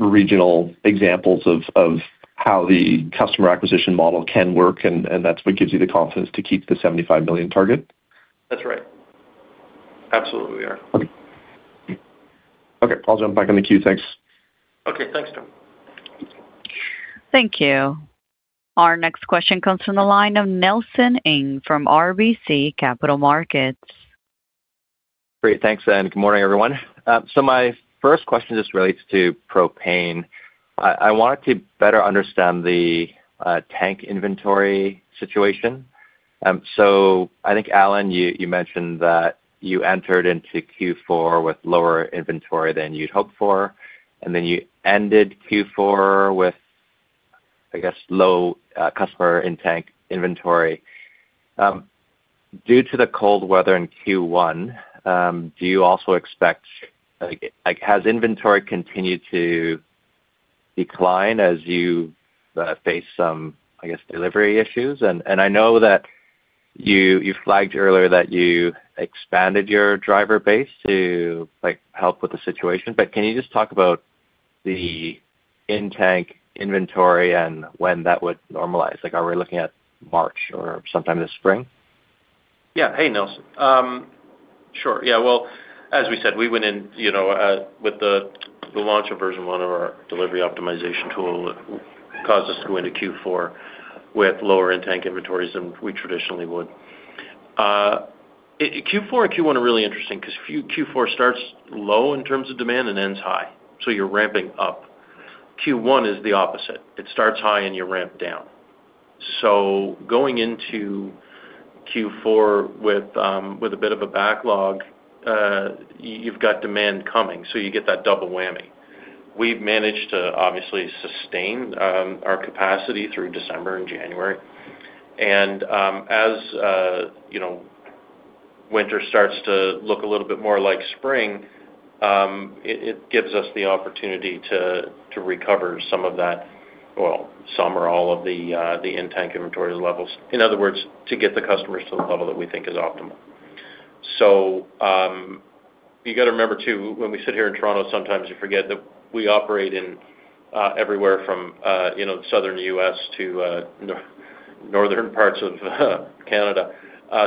regional examples of how the customer acquisition model can work, and that's what gives you the confidence to keep the $75 million target? That's right. Absolutely, we are. Okay. Okay, I'll jump back on the queue. Thanks. Okay, thanks, Darryl. Thank you. Our next question comes from the line of Nelson Ng from RBC Capital Markets. Great, thanks, and good morning, everyone. So my first question just relates to propane. I wanted to better understand the tank inventory situation. So I think, Allan, you mentioned that you entered into Q4 with lower inventory than you'd hoped for, and then you ended Q4 with, I guess, low customer in-tank inventory. Due to the cold weather in Q1, do you also expect, like, has inventory continued to decline as you face some, I guess, delivery issues? And I know that you flagged earlier that you expanded your driver base to, like, help with the situation. But can you just talk about the in-tank inventory and when that would normalize? Like, are we looking at March or sometime this spring? Yeah. Hey, Nelson. Sure. Yeah, well, as we said, we went in, you know, with the launch of version 1 of our delivery optimization tool, it caused us to go into Q4 with lower in-tank inventories than we traditionally would. Q4 and Q1 are really interesting because Q4 starts low in terms of demand and ends high, so you're ramping up. Q1 is the opposite. It starts high, and you ramp down. So going into Q4 with a bit of a backlog, you've got demand coming, so you get that double whammy... we've managed to obviously sustain our capacity through December and January. As you know, winter starts to look a little bit more like spring, it gives us the opportunity to recover some of that, well, some or all of the in-tank inventory levels. In other words, to get the customers to the level that we think is optimal. So you got to remember, too, when we sit here in Toronto, sometimes you forget that we operate in everywhere from you know, the Southern U.S. to the northern parts of Canada.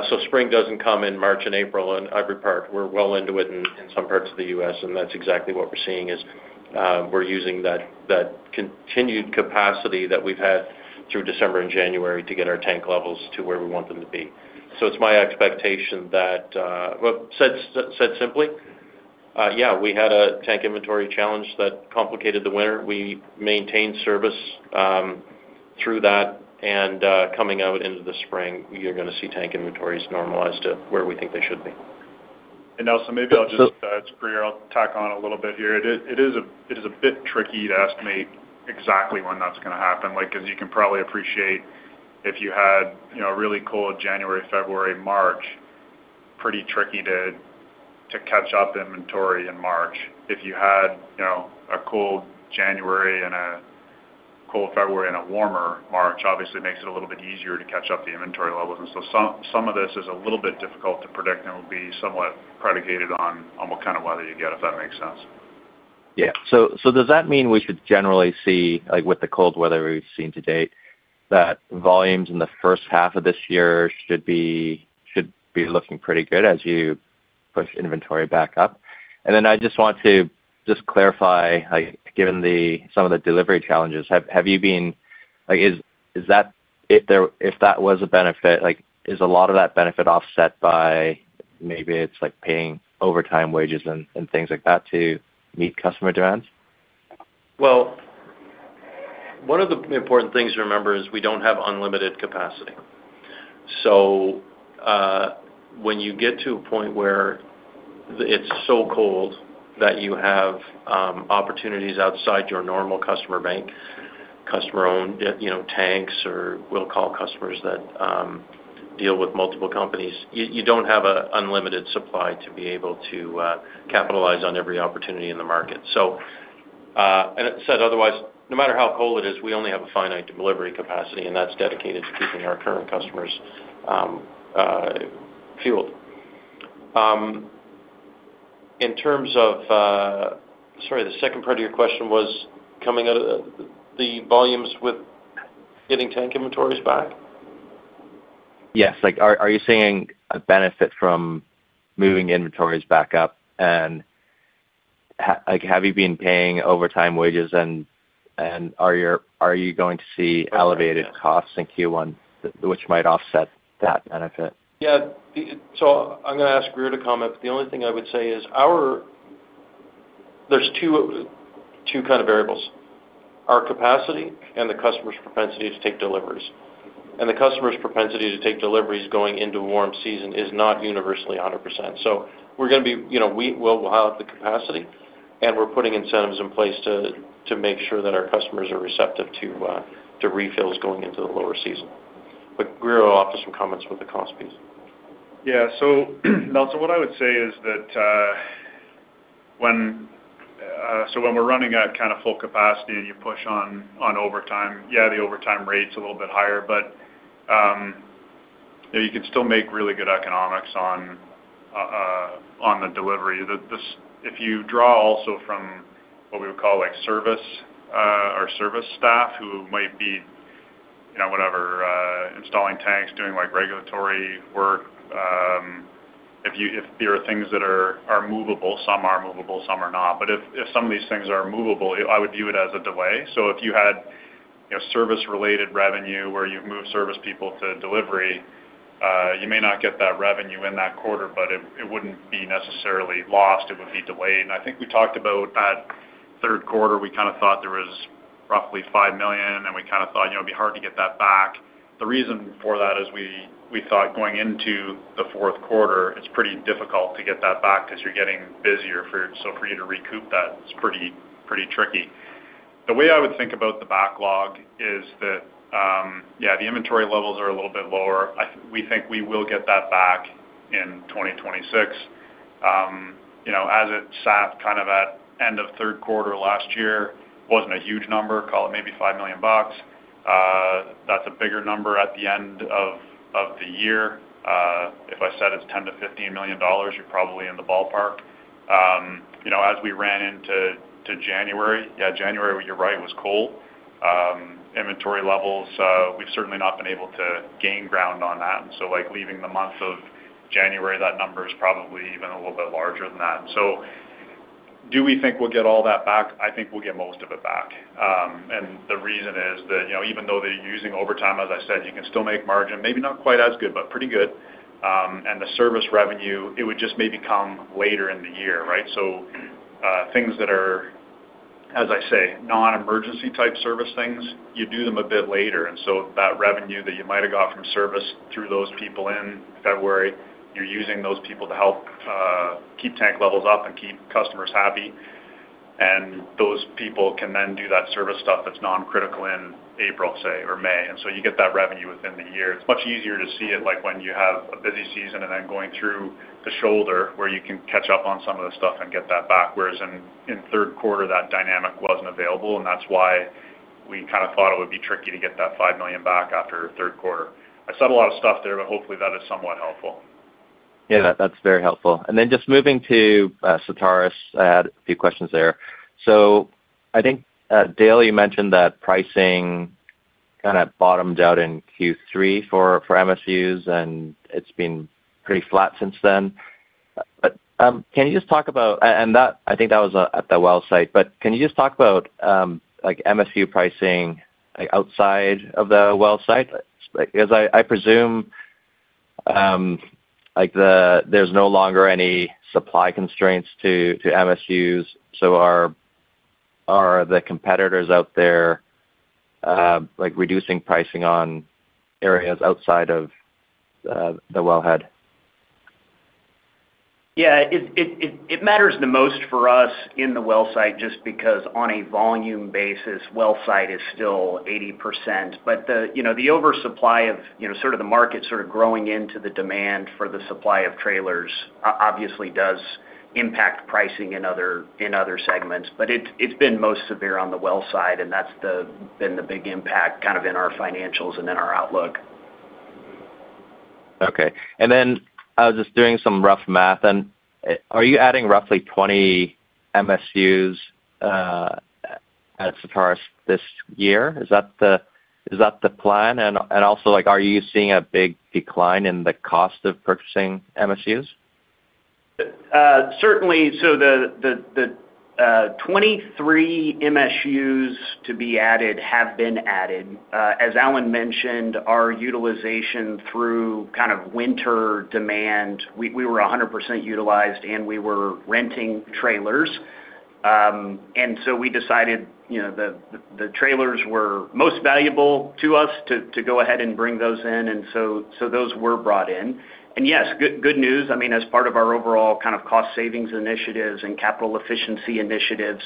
So spring doesn't come in March and April in every part. We're well into it in some parts of the U.S., and that's exactly what we're seeing, is we're using that continued capacity that we've had through December and January to get our tank levels to where we want them to be. It's my expectation that, well, said simply, yeah, we had a tank inventory challenge that complicated the winter. We maintained service through that, and coming out into the spring, you're gonna see tank inventories normalized to where we think they should be. Nelson, maybe I'll just, it's Grier, I'll tack on a little bit here. It is a bit tricky to estimate exactly when that's gonna happen. Like, as you can probably appreciate, if you had, you know, a really cold January, February, March, pretty tricky to catch up inventory in March. If you had, you know, a cold January and a cold February and a warmer March, obviously makes it a little bit easier to catch up the inventory levels. And so some of this is a little bit difficult to predict, and it'll be somewhat predicated on what kind of weather you get, if that makes sense. Yeah. So, so does that mean we should generally see, like, with the cold weather we've seen to date, that volumes in the first half of this year should be, should be looking pretty good as you push inventory back up? And then I just want to just clarify, like, given the, some of the delivery challenges, have, have you been... Like, is, is that, if there, if that was a benefit, like, is a lot of that benefit offset by maybe it's like paying overtime wages and, and things like that to meet customer demands? Well, one of the important things to remember is we don't have unlimited capacity. So, when you get to a point where it's so cold that you have opportunities outside your normal customer bank, customer-owned, you know, tanks or we'll call customers that deal with multiple companies, you don't have unlimited supply to be able to capitalize on every opportunity in the market. So, and it said otherwise, no matter how cold it is, we only have a finite delivery capacity, and that's dedicated to keeping our current customers fueled. Sorry, the second part of your question was coming out of the volumes with getting tank inventories back? Yes. Like, are you seeing a benefit from moving inventories back up? And like, have you been paying overtime wages, and are you going to see elevated costs in Q1, which might offset that benefit? Yeah. So I'm gonna ask Grier to comment. The only thing I would say is, our, there's two, two kind of variables: our capacity and the customer's propensity to take deliveries. And the customer's propensity to take deliveries going into a warm season is not universally 100%. So we're gonna be, you know, we, we'll have the capacity, and we're putting incentives in place to, to make sure that our customers are receptive to, to refills going into the lower season. But Grier will offer some comments with the cost piece. Yeah. So, Nelson, what I would say is that, when-- So when we're running at kind of full capacity and you push on, on overtime, yeah, the overtime rate's a little bit higher, but, you can still make really good economics on, on the delivery. The, this-- If you draw also from what we would call, like, service, our service staff, who might be, you know, whatever, installing tanks, doing, like, regulatory work, if you-- if there are things that are, are movable, some are movable, some are not. But if, if some of these things are movable, I would view it as a delay. So if you had, you know, service-related revenue where you've moved service people to delivery, you may not get that revenue in that quarter, but it, it wouldn't be necessarily lost. It would be delayed. I think we talked about that third quarter. We kind of thought there was roughly $5 million, and we kind of thought, you know, it'd be hard to get that back. The reason for that is we thought going into the fourth quarter, it's pretty difficult to get that back because you're getting busier, so for you to recoup that, it's pretty, pretty tricky. The way I would think about the backlog is that, the inventory levels are a little bit lower. We think we will get that back in 2026. You know, as it sat kind of at end of third quarter last year, wasn't a huge number. Call it maybe $5 million. That's a bigger number at the end of the year. If I said it's $10-$15 million, you're probably in the ballpark. You know, as we ran into January, yeah, January, you're right, it was cold. Inventory levels, we've certainly not been able to gain ground on that. So, like, leaving the month of January, that number is probably even a little bit larger than that. So do we think we'll get all that back? I think we'll get most of it back. And the reason is that, you know, even though they're using overtime, as I said, you can still make margin, maybe not quite as good, but pretty good. And the service revenue, it would just maybe come later in the year, right? So, things that are, as I say, non-emergency type service things, you do them a bit later. And so that revenue that you might have got from service through those people in February, you're using those people to help keep tank levels up and keep customers happy, and those people can then do that service stuff that's non-critical in April, say, or May. And so you get that revenue within the year. It's much easier to see it like when you have a busy season and then going through the shoulder, where you can catch up on some of the stuff and get that back. Whereas in third quarter, that dynamic wasn't available, and that's why we kind of thought it would be tricky to get that $5 million back after third quarter. I said a lot of stuff there, but hopefully that is somewhat helpful. Yeah, that, that's very helpful. And then just moving to Certarus, I had a few questions there. So I think, Dale mentioned that pricing kind of bottomed out in Q3 for MSUs, and it's been pretty flat since then. But can you just talk about—and that—I think that was at the well site, but can you just talk about like MSU pricing like outside of the well site? Because I presume like the—there's no longer any supply constraints to MSUs, so are the competitors out there like reducing pricing on areas outside of the wellhead? Yeah, it matters the most for us in the well site, just because on a volume basis, well site is still 80%. But you know, the oversupply of, you know, sort of the market sort of growing into the demand for the supply of trailers obviously does impact pricing in other segments. But it's been most severe on the well site, and that's been the big impact kind of in our financials and in our outlook. Okay. And then I was just doing some rough math, and, are you adding roughly 20 MSUs at Certarus this year? Is that the, is that the plan? And, and also, like, are you seeing a big decline in the cost of purchasing MSUs? Certainly, so the 23 MSUs to be added have been added. As Allan mentioned, our utilization through kind of winter demand, we were 100% utilized, and we were renting trailers. And so we decided, you know, the trailers were most valuable to us to go ahead and bring those in. And so those were brought in. And yes, good news, I mean, as part of our overall kind of cost savings initiatives and capital efficiency initiatives,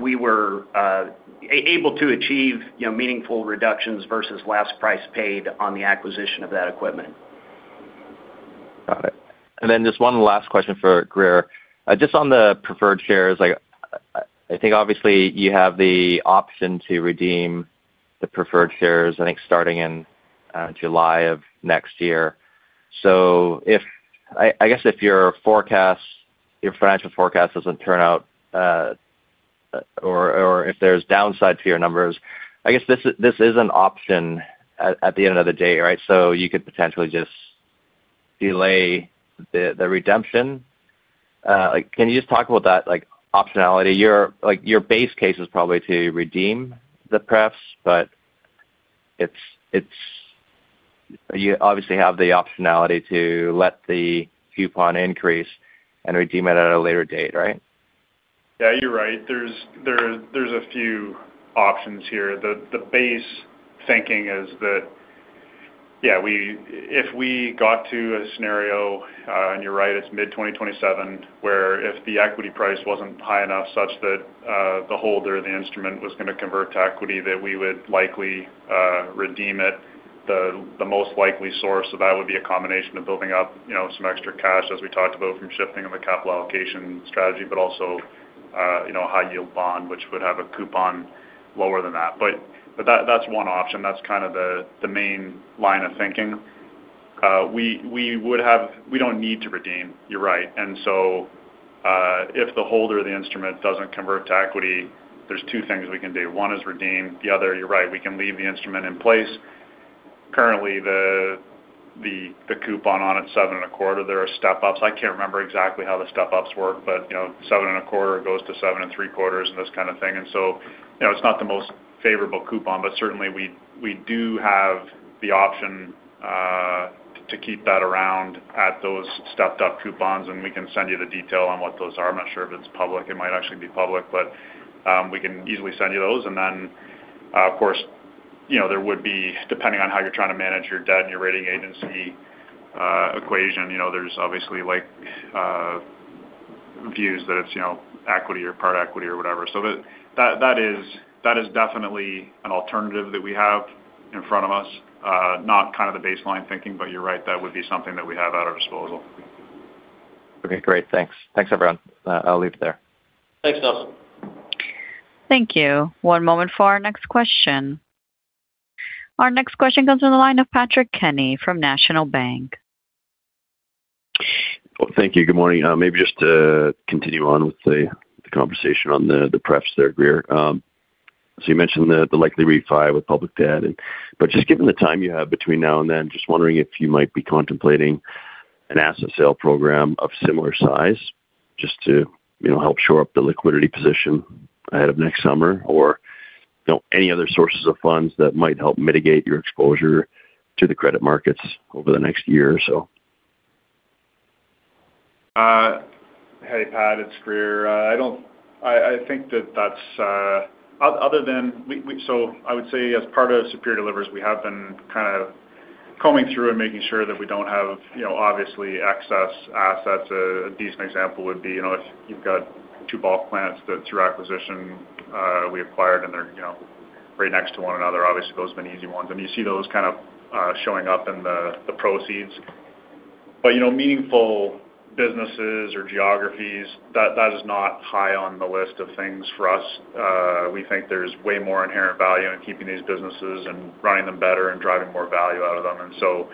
we were able to achieve, you know, meaningful reductions versus last price paid on the acquisition of that equipment. Got it. And then just one last question for Grier. Just on the preferred shares, like, I think obviously you have the option to redeem the preferred shares, I think, starting in July of next year. So if—I guess if your forecast, your financial forecast doesn't turn out, or if there's downside to your numbers, I guess this is an option at the end of the day, right? So you could potentially just delay the redemption. Like, can you just talk about that, like, optionality? Your, like, your base case is probably to redeem the pref, but it's—You obviously have the optionality to let the coupon increase and redeem it at a later date, right? Yeah, you're right. There's a few options here. The base thinking is that, yeah, we—if we got to a scenario, and you're right, it's mid-2027, where if the equity price wasn't high enough such that the holder of the instrument was gonna convert to equity, that we would likely redeem it. The most likely source of that would be a combination of building up, you know, some extra cash, as we talked about, from shifting of the capital allocation strategy, but also, you know, a high-yield bond, which would have a coupon lower than that. But that, that's one option. That's kind of the main line of thinking. We would have—We don't need to redeem. You're right. And so, if the holder of the instrument doesn't convert to equity, there's two things we can do. One is redeem, the other, you're right, we can leave the instrument in place. Currently, the coupon on it is 7.25%. There are step ups. I can't remember exactly how the step ups work, but, you know, 7.25% goes to 7.75% and this kind of thing. And so, you know, it's not the most favorable coupon, but certainly we, we do have the option, to, to keep that around at those stepped-up coupons, and we can send you the detail on what those are. I'm not sure if it's public. It might actually be public, but, we can easily send you those. And then, of course, you know, there would be, depending on how you're trying to manage your debt and your rating agency equation, you know, there's obviously, like, views that it's, you know, equity or part equity or whatever. So that, that is, that is definitely an alternative that we have in front of us. Not kind of the baseline thinking, but you're right, that would be something that we have at our disposal. Okay, great. Thanks. Thanks, everyone. I'll leave it there. Thanks, Nelson. Thank you. One moment for our next question. Our next question comes from the line of Patrick Kenny from National Bank. Well, thank you. Good morning. Maybe just to continue on with the conversation on the prep call, Grier. So you mentioned the likely refi with public debt and. But just given the time you have between now and then, just wondering if you might be contemplating an asset sale program of similar size just to, you know, help shore up the liquidity position ahead of next summer? Or, you know, any other sources of funds that might help mitigate your exposure to the credit markets over the next year or so? Hey, Pat, it's Grier. I think that that's other than. So I would say, as part of Superior Delivers, we have been kind of combing through and making sure that we don't have, you know, obviously, excess assets. A decent example would be, you know, if you've got two bulk plants that through acquisition, we acquired and they're, you know, right next to one another, obviously, those have been easy ones. And you see those kind of showing up in the proceeds. But, you know, meaningful businesses or geographies, that is not high on the list of things for us. We think there's way more inherent value in keeping these businesses and running them better and driving more value out of them. And so,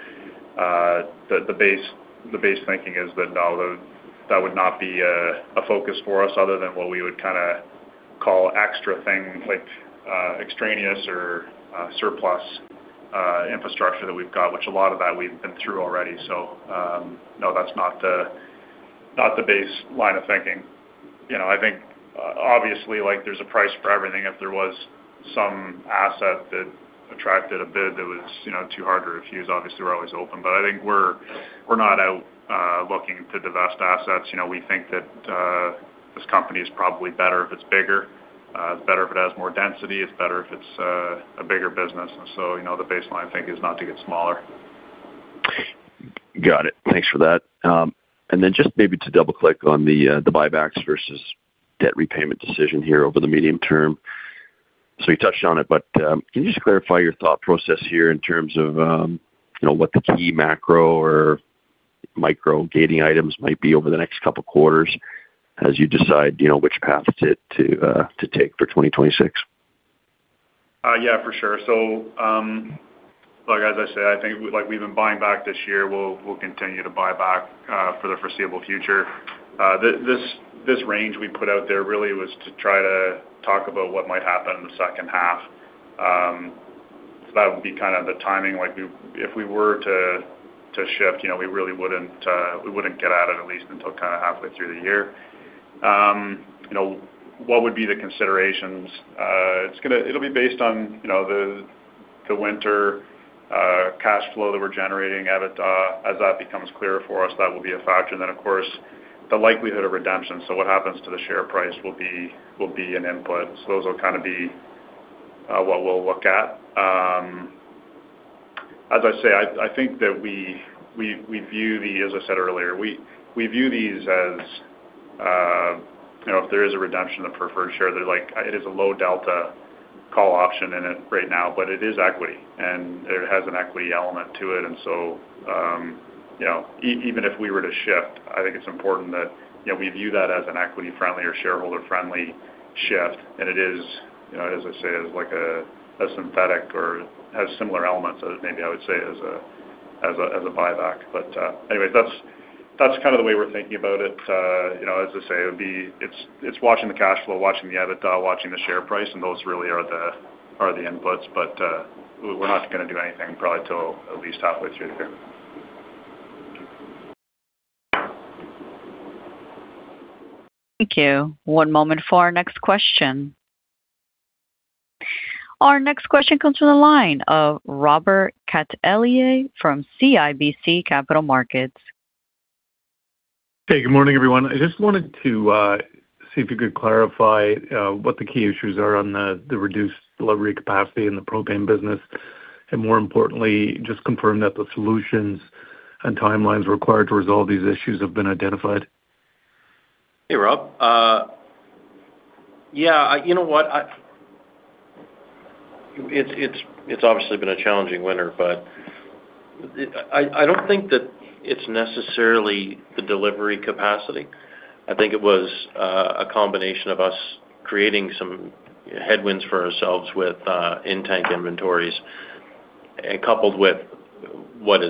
the base thinking is that, no, that would not be a focus for us other than what we would kinda call extra things, like, extraneous or, surplus, infrastructure that we've got, which a lot of that we've been through already. So, no, that's not the baseline of thinking. You know, I think, obviously, like, there's a price for everything. If there was some asset that attracted a bid that was, you know, too hard to refuse, obviously, we're always open. But I think we're not out looking to divest assets. You know, we think that, this company is probably better if it's bigger, it's better if it has more density, it's better if it's a bigger business. And so, you know, the baseline thinking is not to get smaller. Got it. Thanks for that. And then just maybe to double-click on the buybacks versus debt repayment decision here over the medium term. So you touched on it, but, can you just clarify your thought process here in terms of, you know, what the key macro or micro gating items might be over the next couple of quarters as you decide, you know, which path to take for 2026? Yeah, for sure. So, look, as I said, I think, like, we've been buying back this year, we'll continue to buy back for the foreseeable future. This range we put out there really was to try to talk about what might happen in the second half. So that would be kind of the timing. Like, if we were to shift, you know, we really wouldn't get at it at least until kind of halfway through the year. You know, what would be the considerations? It's gonna, it'll be based on, you know, the winter cash flow that we're generating, EBITDA. As that becomes clearer for us, that will be a factor. And then, of course, the likelihood of redemption. So what happens to the share price will be an input. So those will kind of be what we'll look at. As I say, I think that we view the—as I said earlier, we view these as, you know, if there is a redemption of preferred share, that, like, it is a low delta call option in it right now, but it is equity, and it has an equity element to it. And so, you know, even if we were to shift, I think it's important that, you know, we view that as an equity-friendly or shareholder-friendly shift. And it is, you know, as I say, is like a synthetic or has similar elements as maybe I would say as a buyback. But, anyway, that's kind of the way we're thinking about it. You know, as I say, it would be it's watching the cash flow, watching the EBITDA, watching the share price, and those really are the inputs. But, we're not gonna do anything probably till at least halfway through the year. Thank you. One moment for our next question. Our next question comes from the line of Robert Catellier from CIBC Capital Markets. Hey, good morning, everyone. I just wanted to see if you could clarify what the key issues are on the reduced delivery capacity in the propane business, and more importantly, just confirm that the solutions and timelines required to resolve these issues have been identified. Hey, Rob. Yeah, you know what? It's obviously been a challenging winter, but I don't think that it's necessarily the delivery capacity. I think it was a combination of us creating some headwinds for ourselves with in-tank inventories, and coupled with what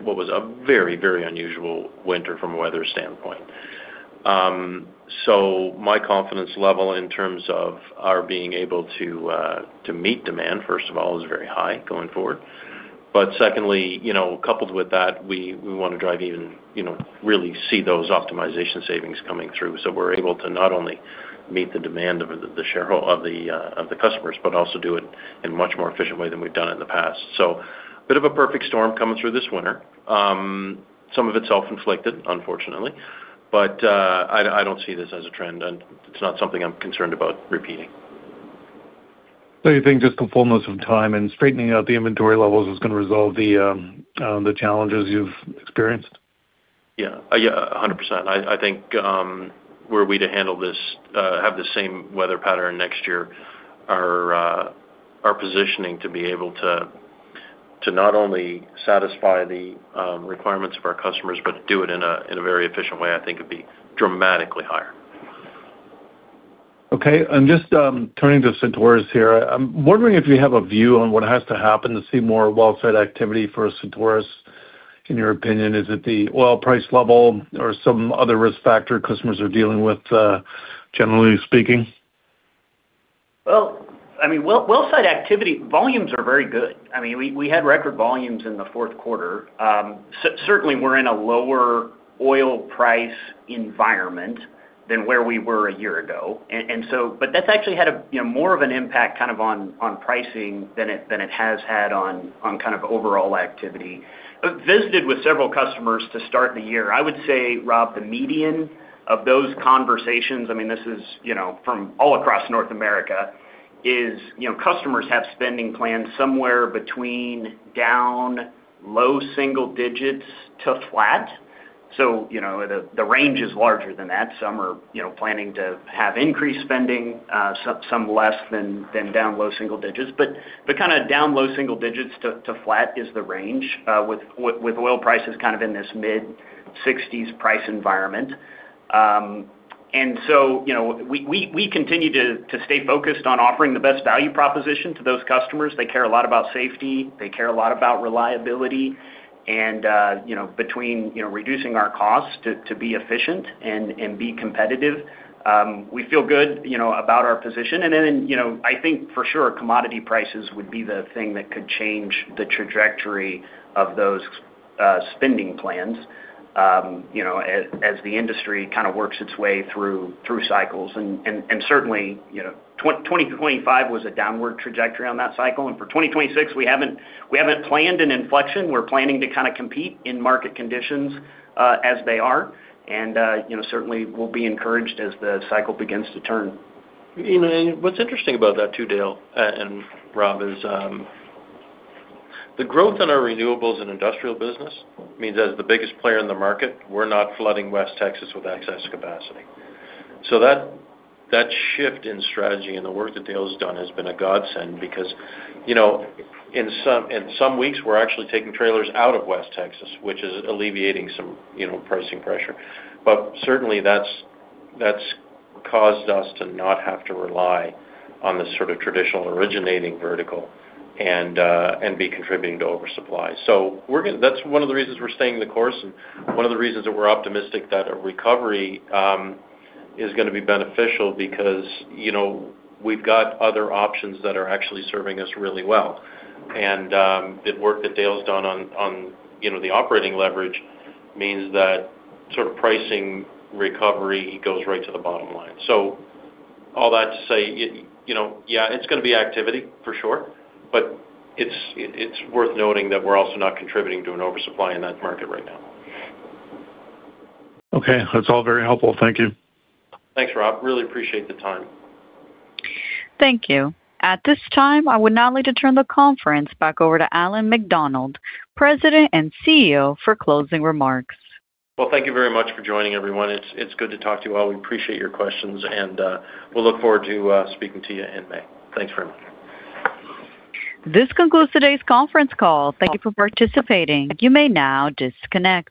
was a very, very unusual winter from a weather standpoint. So my confidence level in terms of our being able to meet demand, first of all, is very high going forward. But secondly, you know, coupled with that, we want to drive even, you know, really see those optimization savings coming through. So we're able to not only meet the demand of the sharehold- of the customers, but also do it in a much more efficient way than we've done in the past. So a bit of a perfect storm coming through this winter. Some of it's self-inflicted, unfortunately, but I don't see this as a trend, and it's not something I'm concerned about repeating. So you think just a fullness of time and straightening out the inventory levels is gonna resolve the challenges you've experienced? Yeah. Yeah, 100%. I, I think, were we to handle this, have the same weather pattern next year, our, our positioning to be able to, to not only satisfy the, requirements of our customers, but do it in a, in a very efficient way, I think would be dramatically higher. Okay. And just, turning to Certarus here. I'm wondering if you have a view on what has to happen to see more wellsite activity for Certarus, in your opinion. Is it the oil price level or some other risk factor customers are dealing with, generally speaking? Well, I mean, wellsite activity volumes are very good. I mean, we had record volumes in the fourth quarter. Certainly, we're in a lower oil price environment than where we were a year ago. And so, but that's actually had a, you know, more of an impact kind of on pricing than it has had on kind of overall activity. I visited with several customers to start the year. I would say, Rob, the median of those conversations, I mean, this is, you know, from all across North America, is, you know, customers have spending plans somewhere between down low single digits to flat. So, you know, the range is larger than that. Some are, you know, planning to have increased spending, some less than down low single digits. But kind of down low single digits to flat is the range with oil prices kind of in this mid-$60s price environment. And so, you know, we continue to stay focused on offering the best value proposition to those customers. They care a lot about safety, they care a lot about reliability, and you know, between you know, reducing our costs to be efficient and be competitive, we feel good, you know, about our position. And then, you know, I think for sure, commodity prices would be the thing that could change the trajectory of those spending plans, you know, as the industry kind of works its way through cycles. And certainly, you know, 2025 was a downward trajectory on that cycle, and for 2026, we haven't planned an inflection. We're planning to kind of compete in market conditions as they are. And, you know, certainly we'll be encouraged as the cycle begins to turn. You know, and what's interesting about that, too, Dale and Rob, is the growth in our renewables and industrial business means as the biggest player in the market, we're not flooding West Texas with excess capacity. So that shift in strategy and the work that Dale has done has been a godsend because, you know, in some weeks, we're actually taking trailers out of West Texas, which is alleviating some, you know, pricing pressure. But certainly that's caused us to not have to rely on the sort of traditional originating vertical and be contributing to oversupply. So we're gonna, that's one of the reasons we're staying the course and one of the reasons that we're optimistic that a recovery is gonna be beneficial because, you know, we've got other options that are actually serving us really well. The work that Dale's done on, you know, the operating leverage means that sort of pricing recovery goes right to the bottom line. So all that to say, you know, yeah, it's gonna be activity for sure, but it's worth noting that we're also not contributing to an oversupply in that market right now. Okay. That's all very helpful. Thank you. Thanks, Rob. Really appreciate the time. Thank you. At this time, I would now like to turn the conference back over to Allan MacDonald, President and CEO, for closing remarks. Well, thank you very much for joining, everyone. It's, it's good to talk to you all. We appreciate your questions, and we'll look forward to speaking to you in May. Thanks very much. This concludes today's conference call. Thank you for participating. You may now disconnect.